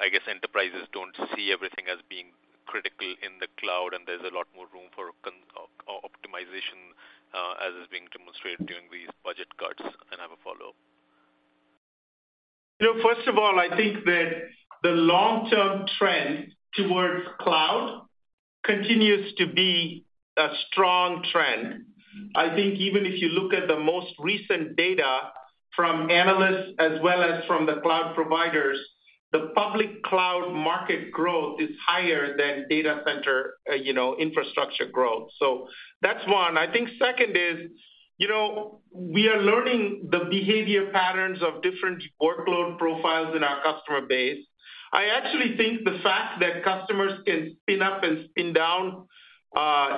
I guess enterprises don't see everything as being critical in the cloud, and there's a lot more room for optimization as is being demonstrated during these budget cuts. I have a follow-up. You know, first of all, I think that the long-term trend towards cloud continues to be a strong trend. I think even if you look at the most recent data from analysts as well as from the cloud providers, the public cloud market growth is higher than data center, you know, infrastructure growth. That's one. I think second is, you know, we are learning the behavior patterns of different workload profiles in our customer base. I actually think the fact that customers can spin up and spin down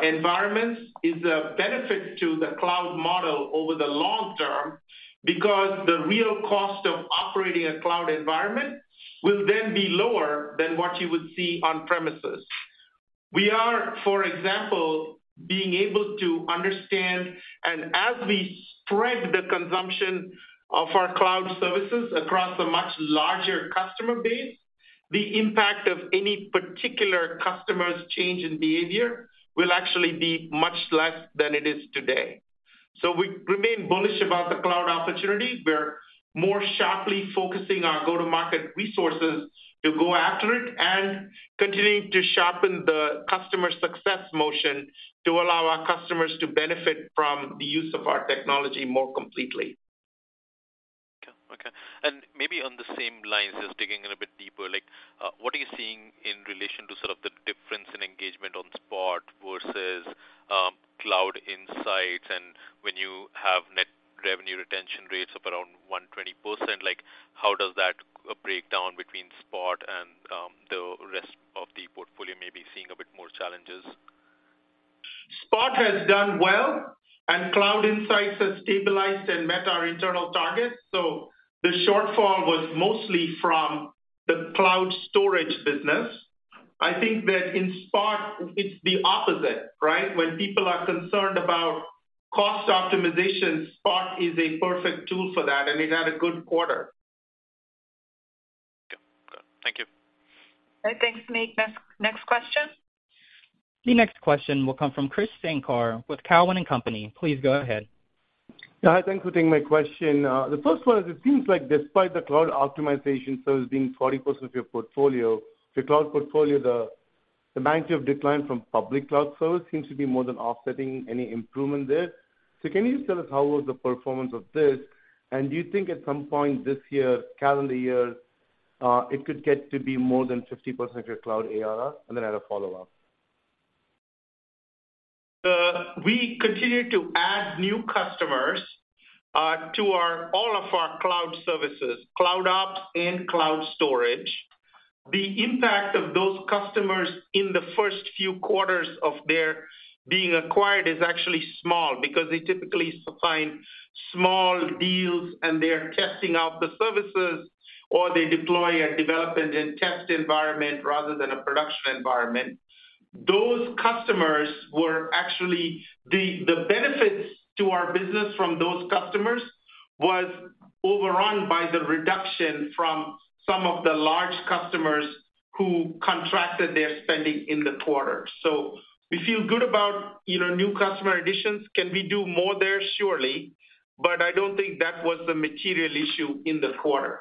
environments is a benefit to the cloud model over the long term, because the real cost of operating a cloud environment will then be lower than what you would see on premises. We are, for example, being able to understand, and as we spread the consumption of our cloud services across a much larger customer base, the impact of any particular customer's change in behavior will actually be much less than it is today. We remain bullish about the cloud opportunity. We're more sharply focusing our go-to-market resources to go after it and continuing to sharpen the customer success motion to allow our customers to benefit from the use of our technology more completely. Okay. Okay. Maybe on the same lines, just digging in a bit deeper, like, what are you seeing in relation to sort of the difference in engagement on Spot versus Cloud Insights? When you have net revenue retention rates of around 120%, like how does that break down between Spot and the rest of the portfolio maybe seeing a bit more challenges? Spot has done well, and Cloud Insights has stabilized and met our internal targets. The shortfall was mostly from the cloud storage business. I think that in Spot it's the opposite, right? When people are concerned about cost optimization, Spot is a perfect tool for that, and it had a good quarter. Okay. Good. Thank you. All right. Thanks, Samik. Next question. The next question will come from Krish Sankar with Cowen and Company. Please go ahead. Yeah. Thanks for taking my question. The first one is, it seems like despite the cloud optimization service being 40% of your portfolio, your cloud portfolio, the magnitude of decline from public cloud service seems to be more than offsetting any improvement there. Can you just tell us how was the performance of this? Do you think at some point this year, calendar year, it could get to be more than 50% of your cloud ARR? Then I had a follow-up. We continue to add new customers to all of our cloud services, CloudOps and Cloud Storage. The impact of those customers in the first few quarters of their being acquired is actually small because they typically sign small deals, and they are testing out the services, or they deploy a development and test environment rather than a production environment. Those customers were actually the benefits to our business from those customers was overrun by the reduction from some of the large customers who contracted their spending in the quarter. We feel good about, you know, new customer additions. Can we do more there? Surely. I don't think that was the material issue in the quarter.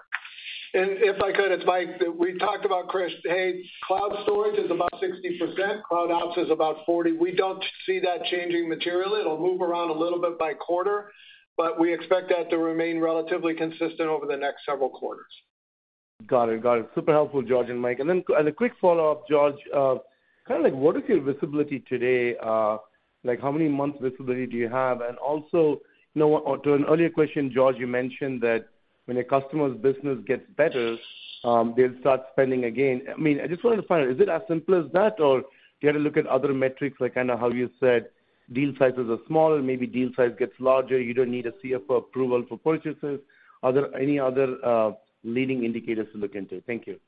If I could, it's Mike. We talked about Kris. Hey, cloud storage is about 60%. CloudOps is about 40%. We don't see that changing materially. It'll move around a little bit by quarter. We expect that to remain relatively consistent over the next several quarters. Got it. Got it. Super helpful, George and Mike. Then as a quick follow-up, George, kinda like what is your visibility today? Like how many months visibility do you have? Also, you know, to an earlier question, George, you mentioned that when a customer's business gets better, they'll start spending again. I mean, I just wanted to find out, is it as simple as that or do you had to look at other metrics like kinda how you said deal sizes are small, maybe deal size gets larger, you don't need a CFO approval for purchases? Are there any other leading indicators to look into? Thank you.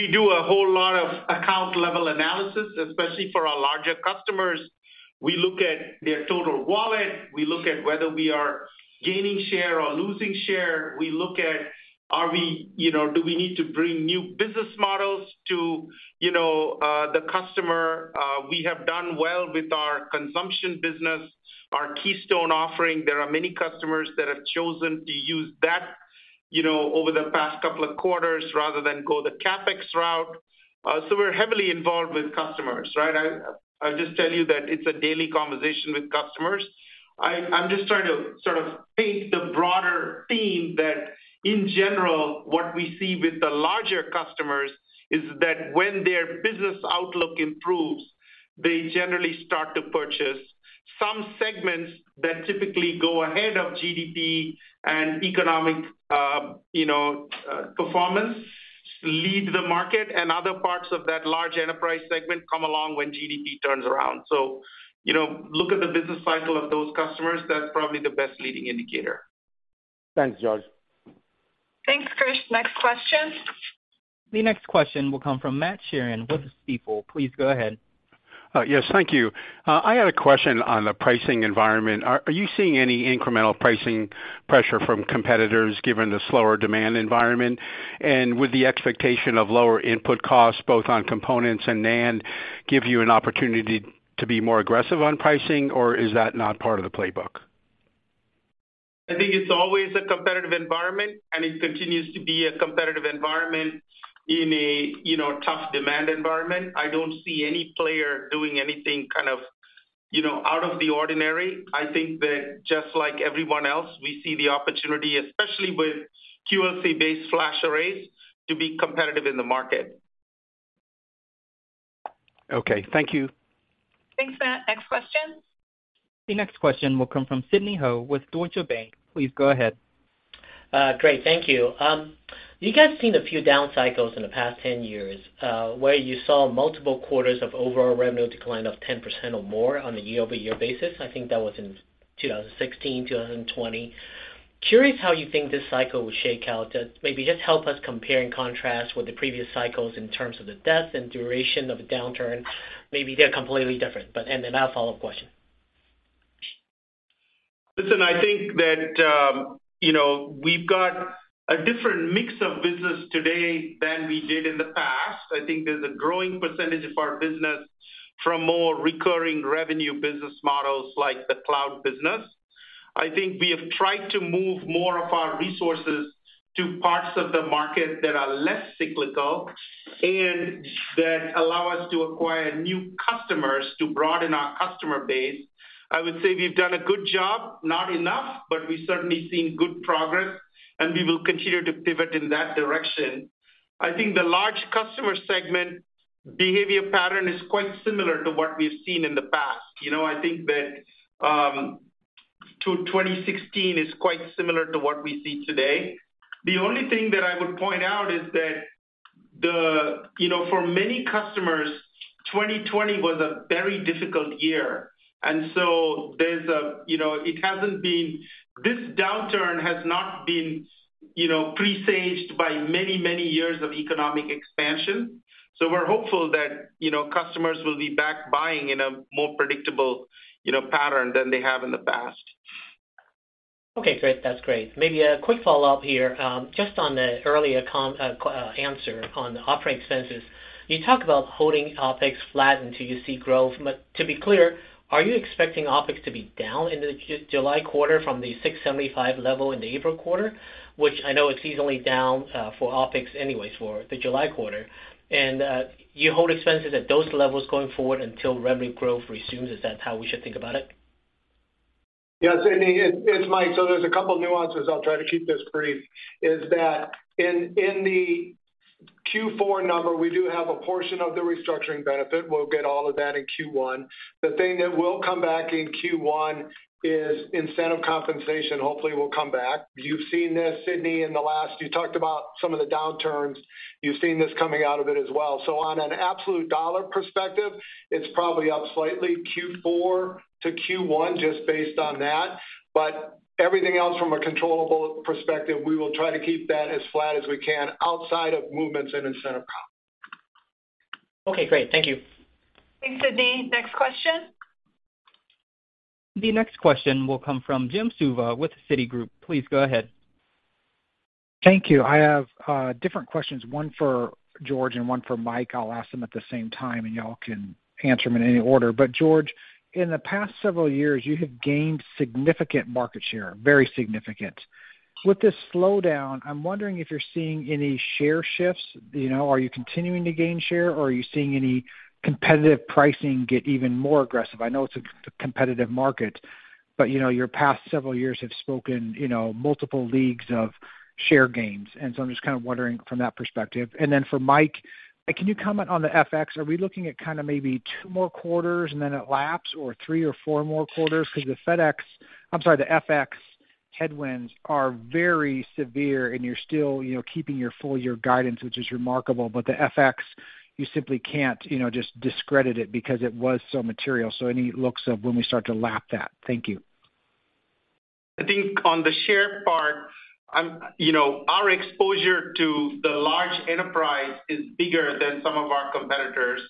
We do a whole lot of account-level analysis, especially for our larger customers. We look at their total wallet. We look at whether we are gaining share or losing share. We look at are we, you know, do we need to bring new business models to, you know, the customer. We have done well with our consumption business, our Keystone offering. There are many customers that have chosen to use that, you know, over the past couple of quarters rather than go the CapEx route. We're heavily involved with customers, right? I'll just tell you that it's a daily conversation with customers. I'm just trying to sort of paint the broader theme that in general, what we see with the larger customers is that when their business outlook improves, they generally start to purchase. Some segments that typically go ahead of GDP and economic, you know, performance lead the market, and other parts of that large enterprise segment come along when GDP turns around. You know, look at the business cycle of those customers. That's probably the best leading indicator. Thanks, George. Thanks, Kris. Next question. The next question will come from Matthew Sheerin with Stifel. Please go ahead. Yes, thank you. I had a question on the pricing environment. Are you seeing any incremental pricing pressure from competitors given the slower demand environment? Would the expectation of lower input costs both on components and NAND give you an opportunity to be more aggressive on pricing, or is that not part of the playbook? I think it's always a competitive environment, and it continues to be a competitive environment in a, you know, tough demand environment. I don't see any player doing anything kind of, you know, out of the ordinary. I think that just like everyone else, we see the opportunity, especially with QLC-based FlashArrays, to be competitive in the market. Okay. Thank you. Thanks, Matt. Next question. The next question will come from Sidney Ho with Deutsche Bank. Please go ahead. Great, thank you. You guys seen a few down cycles in the past 10 years, where you saw multiple quarters of overall revenue decline of 10% or more on a year-over-year basis. I think that was in 2016, 2020. Curious how you think this cycle will shake out. Maybe just help us compare and contrast with the previous cycles in terms of the depth and duration of a downturn. Maybe they're completely different. Then I have a follow-up question. Listen, I think that, you know, we've got a different mix of business today than we did in the past. I think there's a growing percentage of our business from more recurring revenue business models like the cloud business. I think we have tried to move more of our resources to parts of the market that are less cyclical and that allow us to acquire new customers to broaden our customer base. I would say we've done a good job, not enough, but we've certainly seen good progress, and we will continue to pivot in that direction. I think the large customer segment behavior pattern is quite similar to what we've seen in the past. You know, I think that, to 2016 is quite similar to what we see today. The only thing that I would point out is that the... You know, for many customers, 2020 was a very difficult year, and so there's a, you know, this downturn has not been, you know, presaged by many, many years of economic expansion. We're hopeful that, you know, customers will be back buying in a more predictable, you know, pattern than they have in the past. Okay, great. That's great. Maybe a quick follow-up here, just on the earlier answer on the operating expenses. You talk about holding OpEx flat until you see growth, but to be clear, are you expecting OpEx to be down in the July quarter from the $675 level in the April quarter? Which I know it's seasonally down for OpEx anyways for the July quarter. You hold expenses at those levels going forward until revenue growth resumes. Is that how we should think about it? Yes, Sydney, it's Mike. There's a couple nuances, I'll try to keep this brief, is that in the Q4 number, we do have a portion of the restructuring benefit. We'll get all of that in Q1. The thing that will come back in Q1 is incentive compensation hopefully will come back. You've seen this, Sydney, in the last. You talked about some of the downturns. You've seen this coming out of it as well. On an absolute dollar perspective, it's probably up slightly Q4 to Q1 just based on that. Everything else from a controllable perspective, we will try to keep that as flat as we can outside of movements in incentive comp. Okay, great. Thank you. Thanks, Sydney. Next question. The next question will come from Jim Suva with Citigroup. Please go ahead. Thank you. I have different questions, one for George and one for Mike. I'll ask them at the same time, and y'all can answer them in any order. George, in the past several years, you have gained significant market share, very significant. With this slowdown, I'm wondering if you're seeing any share shifts. You know, are you continuing to gain share, or are you seeing any competitive pricing get even more aggressive? I know it's a competitive market, but, you know, your past several years have spoken, you know, multiple leagues of share gains. I'm just kind of wondering from that perspective. For Mike, can you comment on the FX? Are we looking at kind of maybe two more quarters and then it laps, or three or four more quarters? The FX headwinds are very severe, and you're still, you know, keeping your full year guidance, which is remarkable. The FX, you simply can't, you know, just discredit it because it was so material. Any looks of when we start to lap that. Thank you. I think on the share part, you know, our exposure to the large enterprise is bigger than some of our competitors.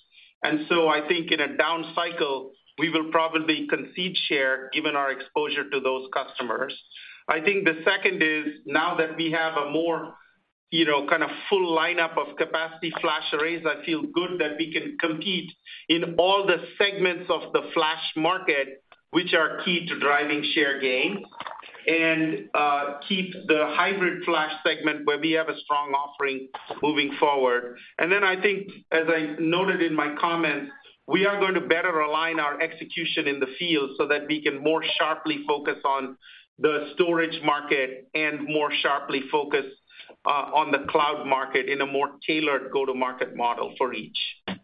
I think in a down cycle, we will probably concede share given our exposure to those customers. I think the second is now that we have a more, you know, kind of full lineup of capacity FlashArrays, I feel good that we can compete in all the segments of the flash market, which are key to driving share gain. Keep the hybrid flash segment where we have a strong offering moving forward. I think, as I noted in my comments, we are going to better align our execution in the field so that we can more sharply focus on the storage market and more sharply focus on the cloud market in a more tailored go-to-market model for each. Jim,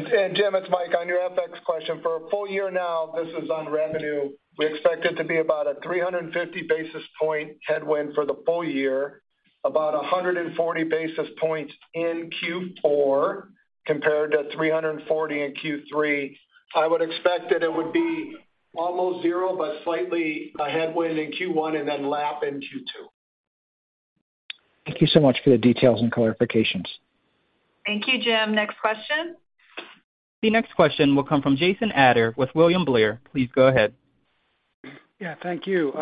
it's Mike. On your FX question, for a full year now, this is on revenue, we expect it to be about a 350 basis point headwind for the full year, about 140 basis points in Q4, compared to 340 in Q3. I would expect that it would be almost zero, but slightly a headwind in Q1 and then lap in Q2. Thank you so much for the details and clarifications. Thank you, Jim. Next question. The next question will come from Jason Ader with William Blair. Please go ahead. Yeah, thank you.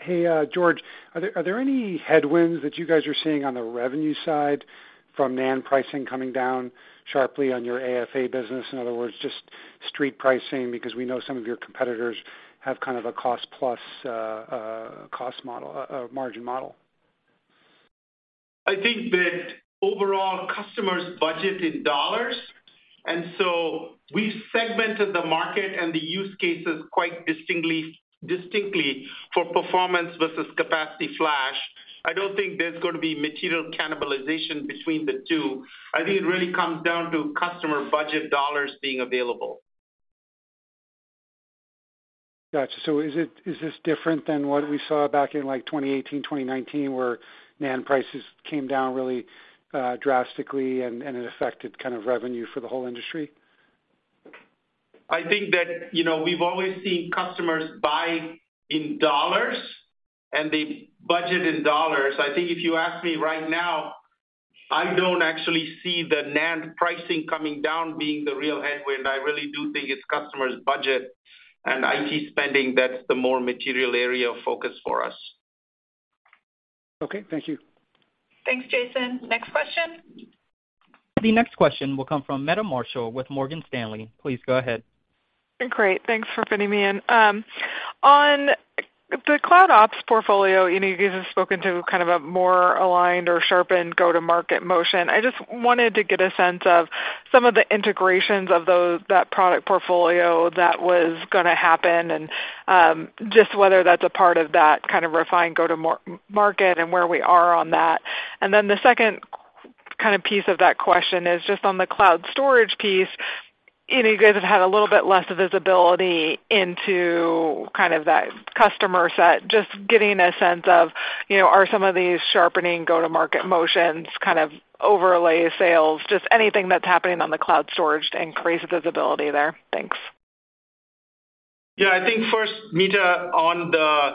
Hey, George, are there any headwinds that you guys are seeing on the revenue side from NAND pricing coming down sharply on your AFA business? In other words, just street pricing, because we know some of your competitors have kind of a cost plus, cost model, margin model. I think that overall customers budget in dollars, and so we've segmented the market and the use cases quite distinctly for performance versus capacity flash. I don't think there's going to be material cannibalization between the two. I think it really comes down to customer budget dollars being available. Gotcha. Is this different than what we saw back in like 2018, 2019, where NAND prices came down really drastically and it affected kind of revenue for the whole industry? I think that, you know, we've always seen customers buy in dollars, and they budget in dollars. I think if you ask me right now, I don't actually see the NAND pricing coming down being the real headwind. I really do think it's customers' budget and IT spending that's the more material area of focus for us. Okay, thank you. Thanks, Jason. Next question. The next question will come from Meta Marshall with Morgan Stanley. Please go ahead. Great. Thanks for fitting me in. On the CloudOps portfolio, you know, you guys have spoken to kind of a more aligned or sharpened go-to-market motion. I just wanted to get a sense of some of the integrations of that product portfolio that was gonna happen and, just whether that's a part of that kind of refined go to market and where we are on that. The second kind of piece of that question is just on the cloud storage piece, you know, you guys have had a little bit less visibility into kind of that customer set. Just getting a sense of, you know, are some of these sharpening go-to-market motions kind of overlay sales, just anything that's happening on the cloud storage to increase visibility there. Thanks. Yeah, I think first, Meta Marshall, on the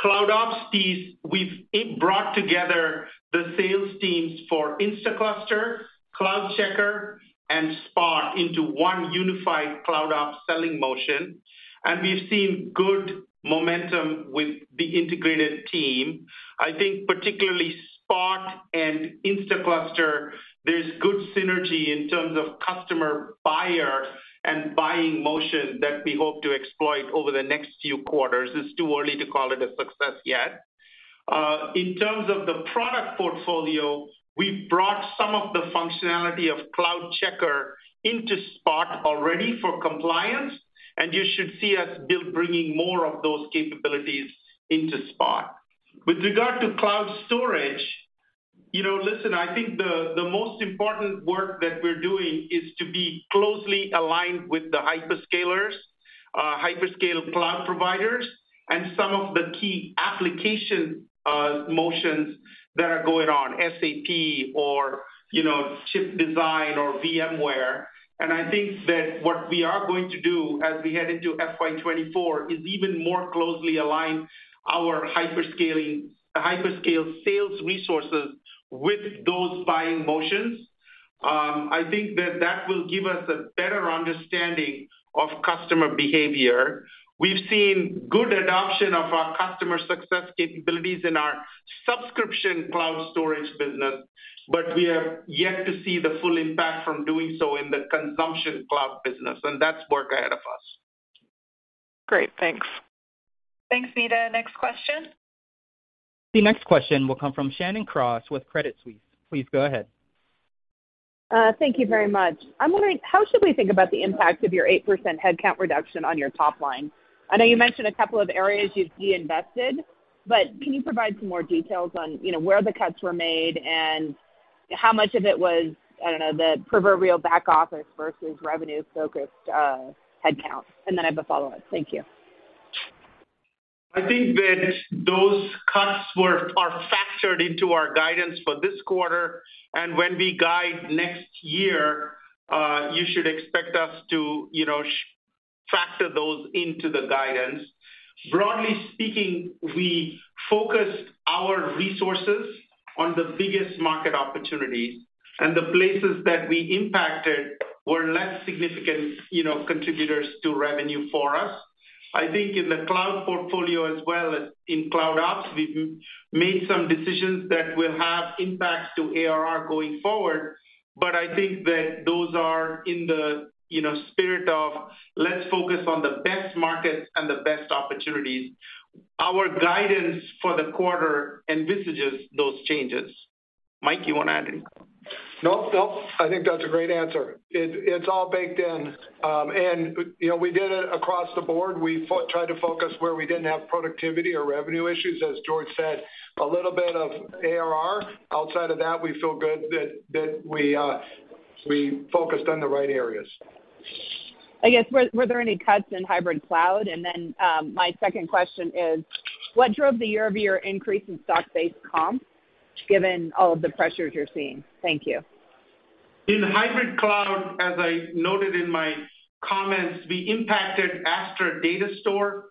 CloudOps piece, we've brought together the sales teams for Instaclustr, CloudCheckr and Spot into one unified CloudOps selling motion, and we've seen good momentum with the integrated team. I think particularly Spot and Instaclustr, there's good synergy in terms of customer buyer and buying motion that we hope to exploit over the next few quarters. It's too early to call it a success yet. In terms of the product portfolio, we've brought some of the functionality of CloudCheckr into Spot already for compliance, and you should see us bringing more of those capabilities into Spot. With regard to cloud storage, you know, listen, I think the most important work that we're doing is to be closely aligned with the hyperscalers, hyperscale cloud providers and some of the key application motions that are going on, SAP or, you know, chip design or VMware. I think that what we are going to do as we head into FY 2024 is even more closely align our hyperscale sales resources with those buying motions. I think that will give us a better understanding of customer behavior. We've seen good adoption of our customer success capabilities in our subscription cloud storage business. We are yet to see the full impact from doing so in the consumption cloud business, and that's work ahead of us. Great. Thanks. Thanks, Meta. Next question. The next question will come from Shannon Cross with Credit Suisse. Please go ahead. Thank you very much. I'm wondering, how should we think about the impact of your 8% headcount reduction on your top line? I know you mentioned a couple of areas you've de-invested, but can you provide some more details on, you know, where the cuts were made and how much of it was, I don't know, the proverbial back office versus revenue-focused headcount? I have a follow-up. Thank you. I think that those cuts are factored into our guidance for this quarter. And when we guide next year, you should expect us to, you know, factor those into the guidance. Broadly speaking, we focused our resources on the biggest market opportunities, and the places that we impacted were less significant, you know, contributors to revenue for us. I think in the cloud portfolio as well as in CloudOps, we've made some decisions that will have impacts to ARR going forward. But I think that those are in the, you know, spirit of let's focus on the best markets and the best opportunities. Our guidance for the quarter envisages those changes. Mike, you wanna add anything? No. No. I think that's a great answer. It's all baked in. You know, we did it across the board. We tried to focus where we didn't have productivity or revenue issues. As George said, a little bit of ARR. Outside of that, we feel good that we focused on the right areas. I guess, were there any cuts in hybrid cloud? Then, my second question is: What drove the year-over-year increase in stock-based comp given all of the pressures you're seeing? Thank you. In hybrid cloud, as I noted in my comments, we impacted Astra Data Store.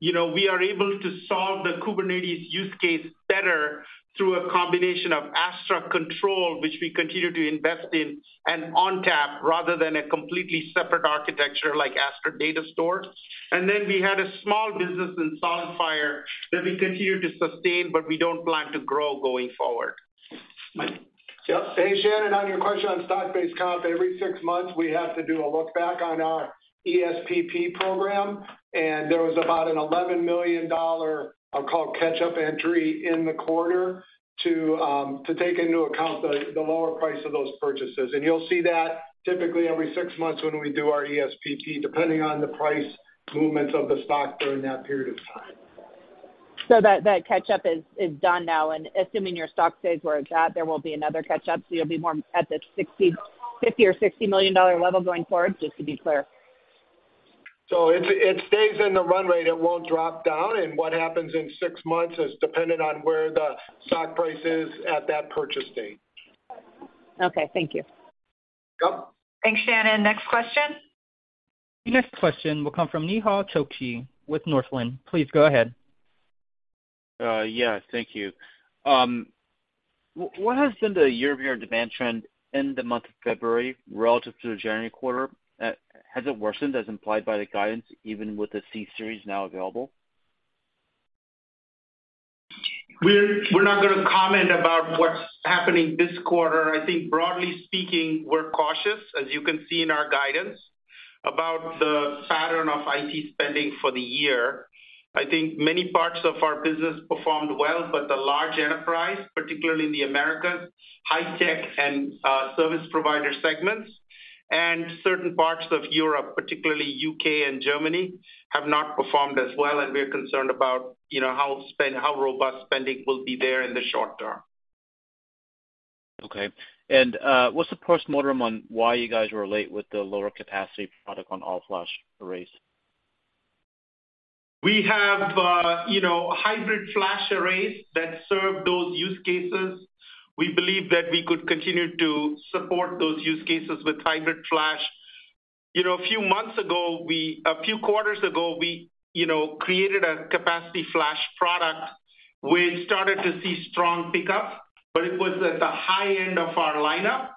You know, we are able to solve the Kubernetes use case better through a combination of Astra Control, which we continue to invest in, and ONTAP rather than a completely separate architecture like Astra Data Store. Then we had a small business in SolidFire that we continue to sustain, but we don't plan to grow going forward. Mike. Yep. Hey, Shannon. On your question on stock-based comp, every six months, we have to do a look back on our ESPP program, there was about an $11 million, I'll call it, catch-up entry in the quarter to take into account the lower price of those purchases. You'll see that typically every six months when we do our ESPP, depending on the price movements of the stock during that period of time. That catch-up is done now, and assuming your stock stays where it's at, there will be another catch-up, so you'll be more at the $50 million or $60 million level going forward, just to be clear. It stays in the run rate. It won't drop down, and what happens in six months is dependent on where the stock price is at that purchase date. Okay, thank you. Yep. Thanks, Shannon. Next question. The next question will come from Nehal Chokshi with Northland. Please go ahead. Yes, thank you. What has been the year-over-year demand trend in the month of February relative to the January quarter? Has it worsened as implied by the guidance, even with the C-Series now available? We're not gonna comment about what's happening this quarter. I think broadly speaking, we're cautious, as you can see in our guidance, about the pattern of IT spending for the year. I think many parts of our business performed well. The large enterprise, particularly in the Americas, high-tech and service provider segments, and certain parts of Europe, particularly U.K. And Germany, have not performed as well, and we are concerned about, you know, how robust spending will be there in the short term. Okay. What's the postmortem on why you guys were late with the lower capacity product on All-Flash Arrays? We have, you know, hybrid FlashArrays that serve those use cases. We believe that we could continue to support those use cases with hybrid flash. You know, a few months ago, a few quarters ago, we, you know, created a capacity flash product. We started to see strong pickup, but it was at the high end of our lineup,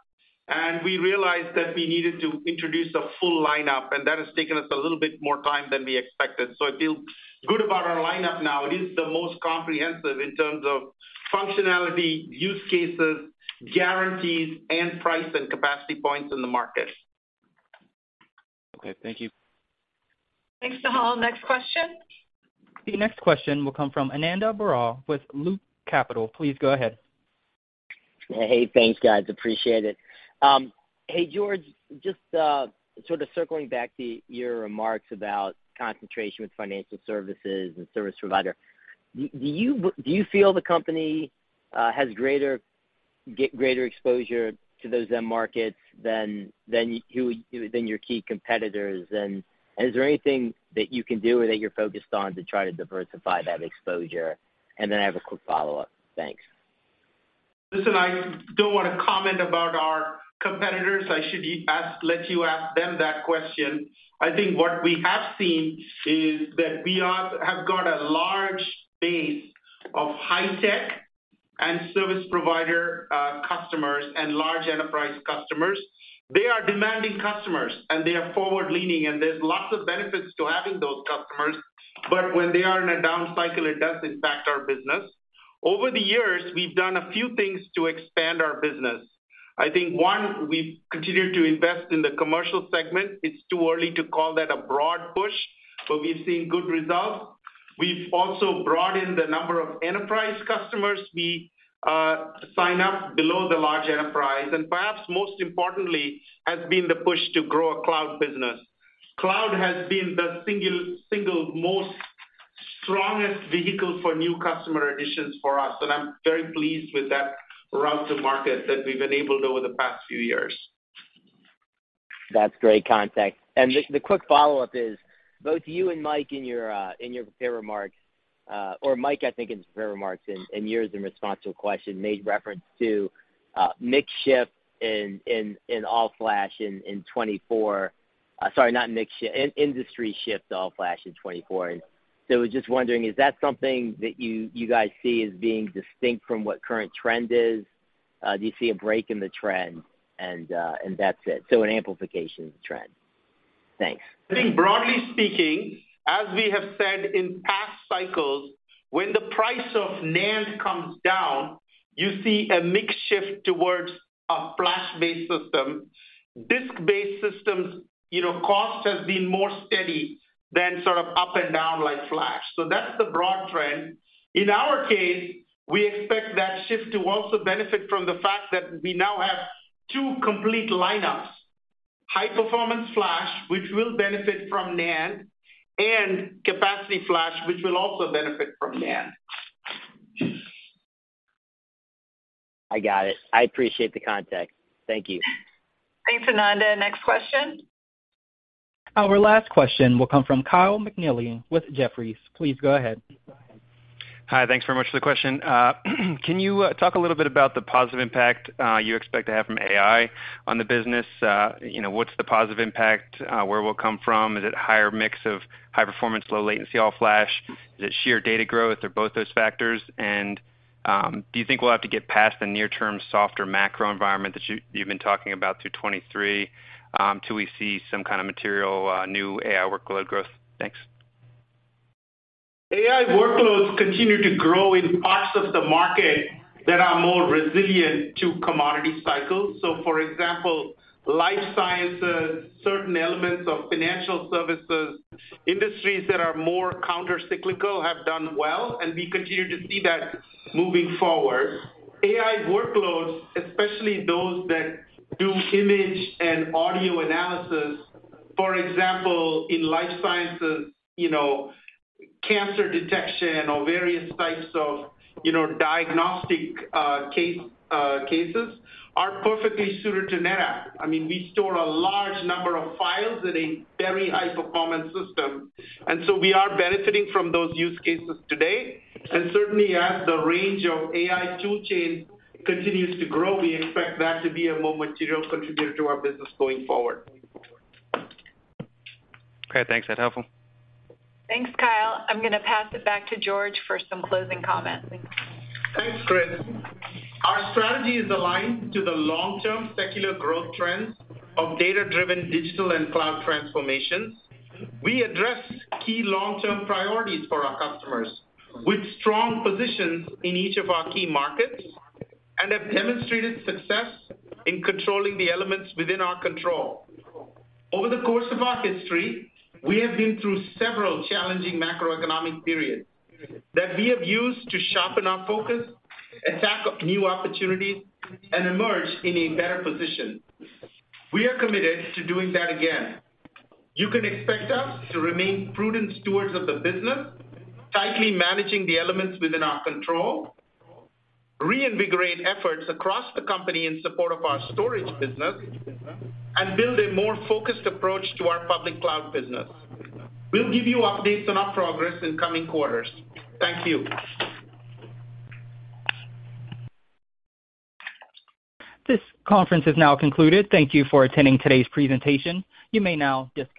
and we realized that we needed to introduce a full lineup, and that has taken us a little bit more time than we expected. I feel good about our lineup now. It is the most comprehensive in terms of functionality, use cases, guarantees, and price and capacity points in the market. Okay, thank you. Thanks, Nehal. Next question. The next question will come from Ananda Baruah with Loop Capital. Please go ahead. Hey, thanks, guys. Appreciate it. Hey, George, just sort of circling back to your remarks about concentration with financial services and service provider. Do you feel the company has greater exposure to those end markets than your key competitors? Is there anything that you can do or that you're focused on to try to diversify that exposure? Then I have a quick follow-up. Thanks. Listen, I don't wanna comment about our competitors. I should let you ask them that question. I think what we have seen is that we have got a large base of high-tech and service provider customers and large enterprise customers. They are demanding customers, and they are forward-leaning, and there's lots of benefits to having those customers. When they are in a down cycle, it does impact our business. Over the years, we've done a few things to expand our business. I think, one, we've continued to invest in the commercial segment. It's too early to call that a broad push, but we've seen good results. We've also brought in the number of enterprise customers we sign up below the large enterprise, and perhaps most importantly has been the push to grow a cloud business. Cloud has been the single most strongest vehicle for new customer additions for us, and I'm very pleased with that route to market that we've enabled over the past few years. That's great context. The quick follow-up is, both you and Mike in your prepared remarks, or Mike, I think, in his prepared remarks and yours in response to a question, made reference to mix shift in All-Flash in 2024. Sorry, not mix shift. Industry shift to All-Flash in 2024. I was just wondering, is that something that you guys see as being distinct from what current trend is? Do you see a break in the trend? That's it. An amplification of the trend. Thanks. I think broadly speaking, as we have said in past cycles, when the price of NAND comes down, you see a mix shift towards a Flash-based system. Disk-based systems, you know, cost has been more steady than sort of up and down like Flash. That's the broad trend. In our case, we expect that shift to also benefit from the fact that we now have two complete lineups, high-performance Flash, which will benefit from NAND, and capacity Flash, which will also benefit from NAND. I got it. I appreciate the context. Thank you. Thanks, Ananda. Next question. Our last question will come from Kyle McNealy with Jefferies. Please go ahead. Hi. Thanks very much for the question. Can you talk a little bit about the positive impact you expect to have from AI on the business? You know, what's the positive impact where it will come from? Is it higher mix of high performance, low latency, All-Flash? Is it sheer data growth or both those factors? Do you think we'll have to get past the near term softer macro environment that you've been talking about through 2023, till we see some kind of material new AI workload growth? Thanks. AI workloads continue to grow in parts of the market that are more resilient to commodity cycles. For example, life sciences, certain elements of financial services, industries that are more countercyclical have done well, and we continue to see that moving forward. AI workloads, especially those that do image and audio analysis, for example, in life sciences, you know, cancer detection or various types of, you know, diagnostic case cases, are perfectly suited to NetApp. I mean, we store a large number of files in a very high performance system, and so we are benefiting from those use cases today. Certainly as the range of AI tool chain continues to grow, we expect that to be a more material contributor to our business going forward. Okay, thanks. That's helpful. Thanks, Kyle. I'm gonna pass it back to George for some closing comments. Thanks, Kris. Our strategy is aligned to the long-term secular growth trends of data-driven digital and cloud transformations. We address key long-term priorities for our customers with strong positions in each of our key markets and have demonstrated success in controlling the elements within our control. Over the course of our history, we have been through several challenging macroeconomic periods that we have used to sharpen our focus, attack up new opportunities, and emerge in a better position. We are committed to doing that again. You can expect us to remain prudent stewards of the business, tightly managing the elements within our control, reinvigorate efforts across the company in support of our storage business, and build a more focused approach to our public cloud business. We'll give you updates on our progress in coming quarters. Thank you. This conference is now concluded. Thank you for attending today's presentation. You may now disconnect.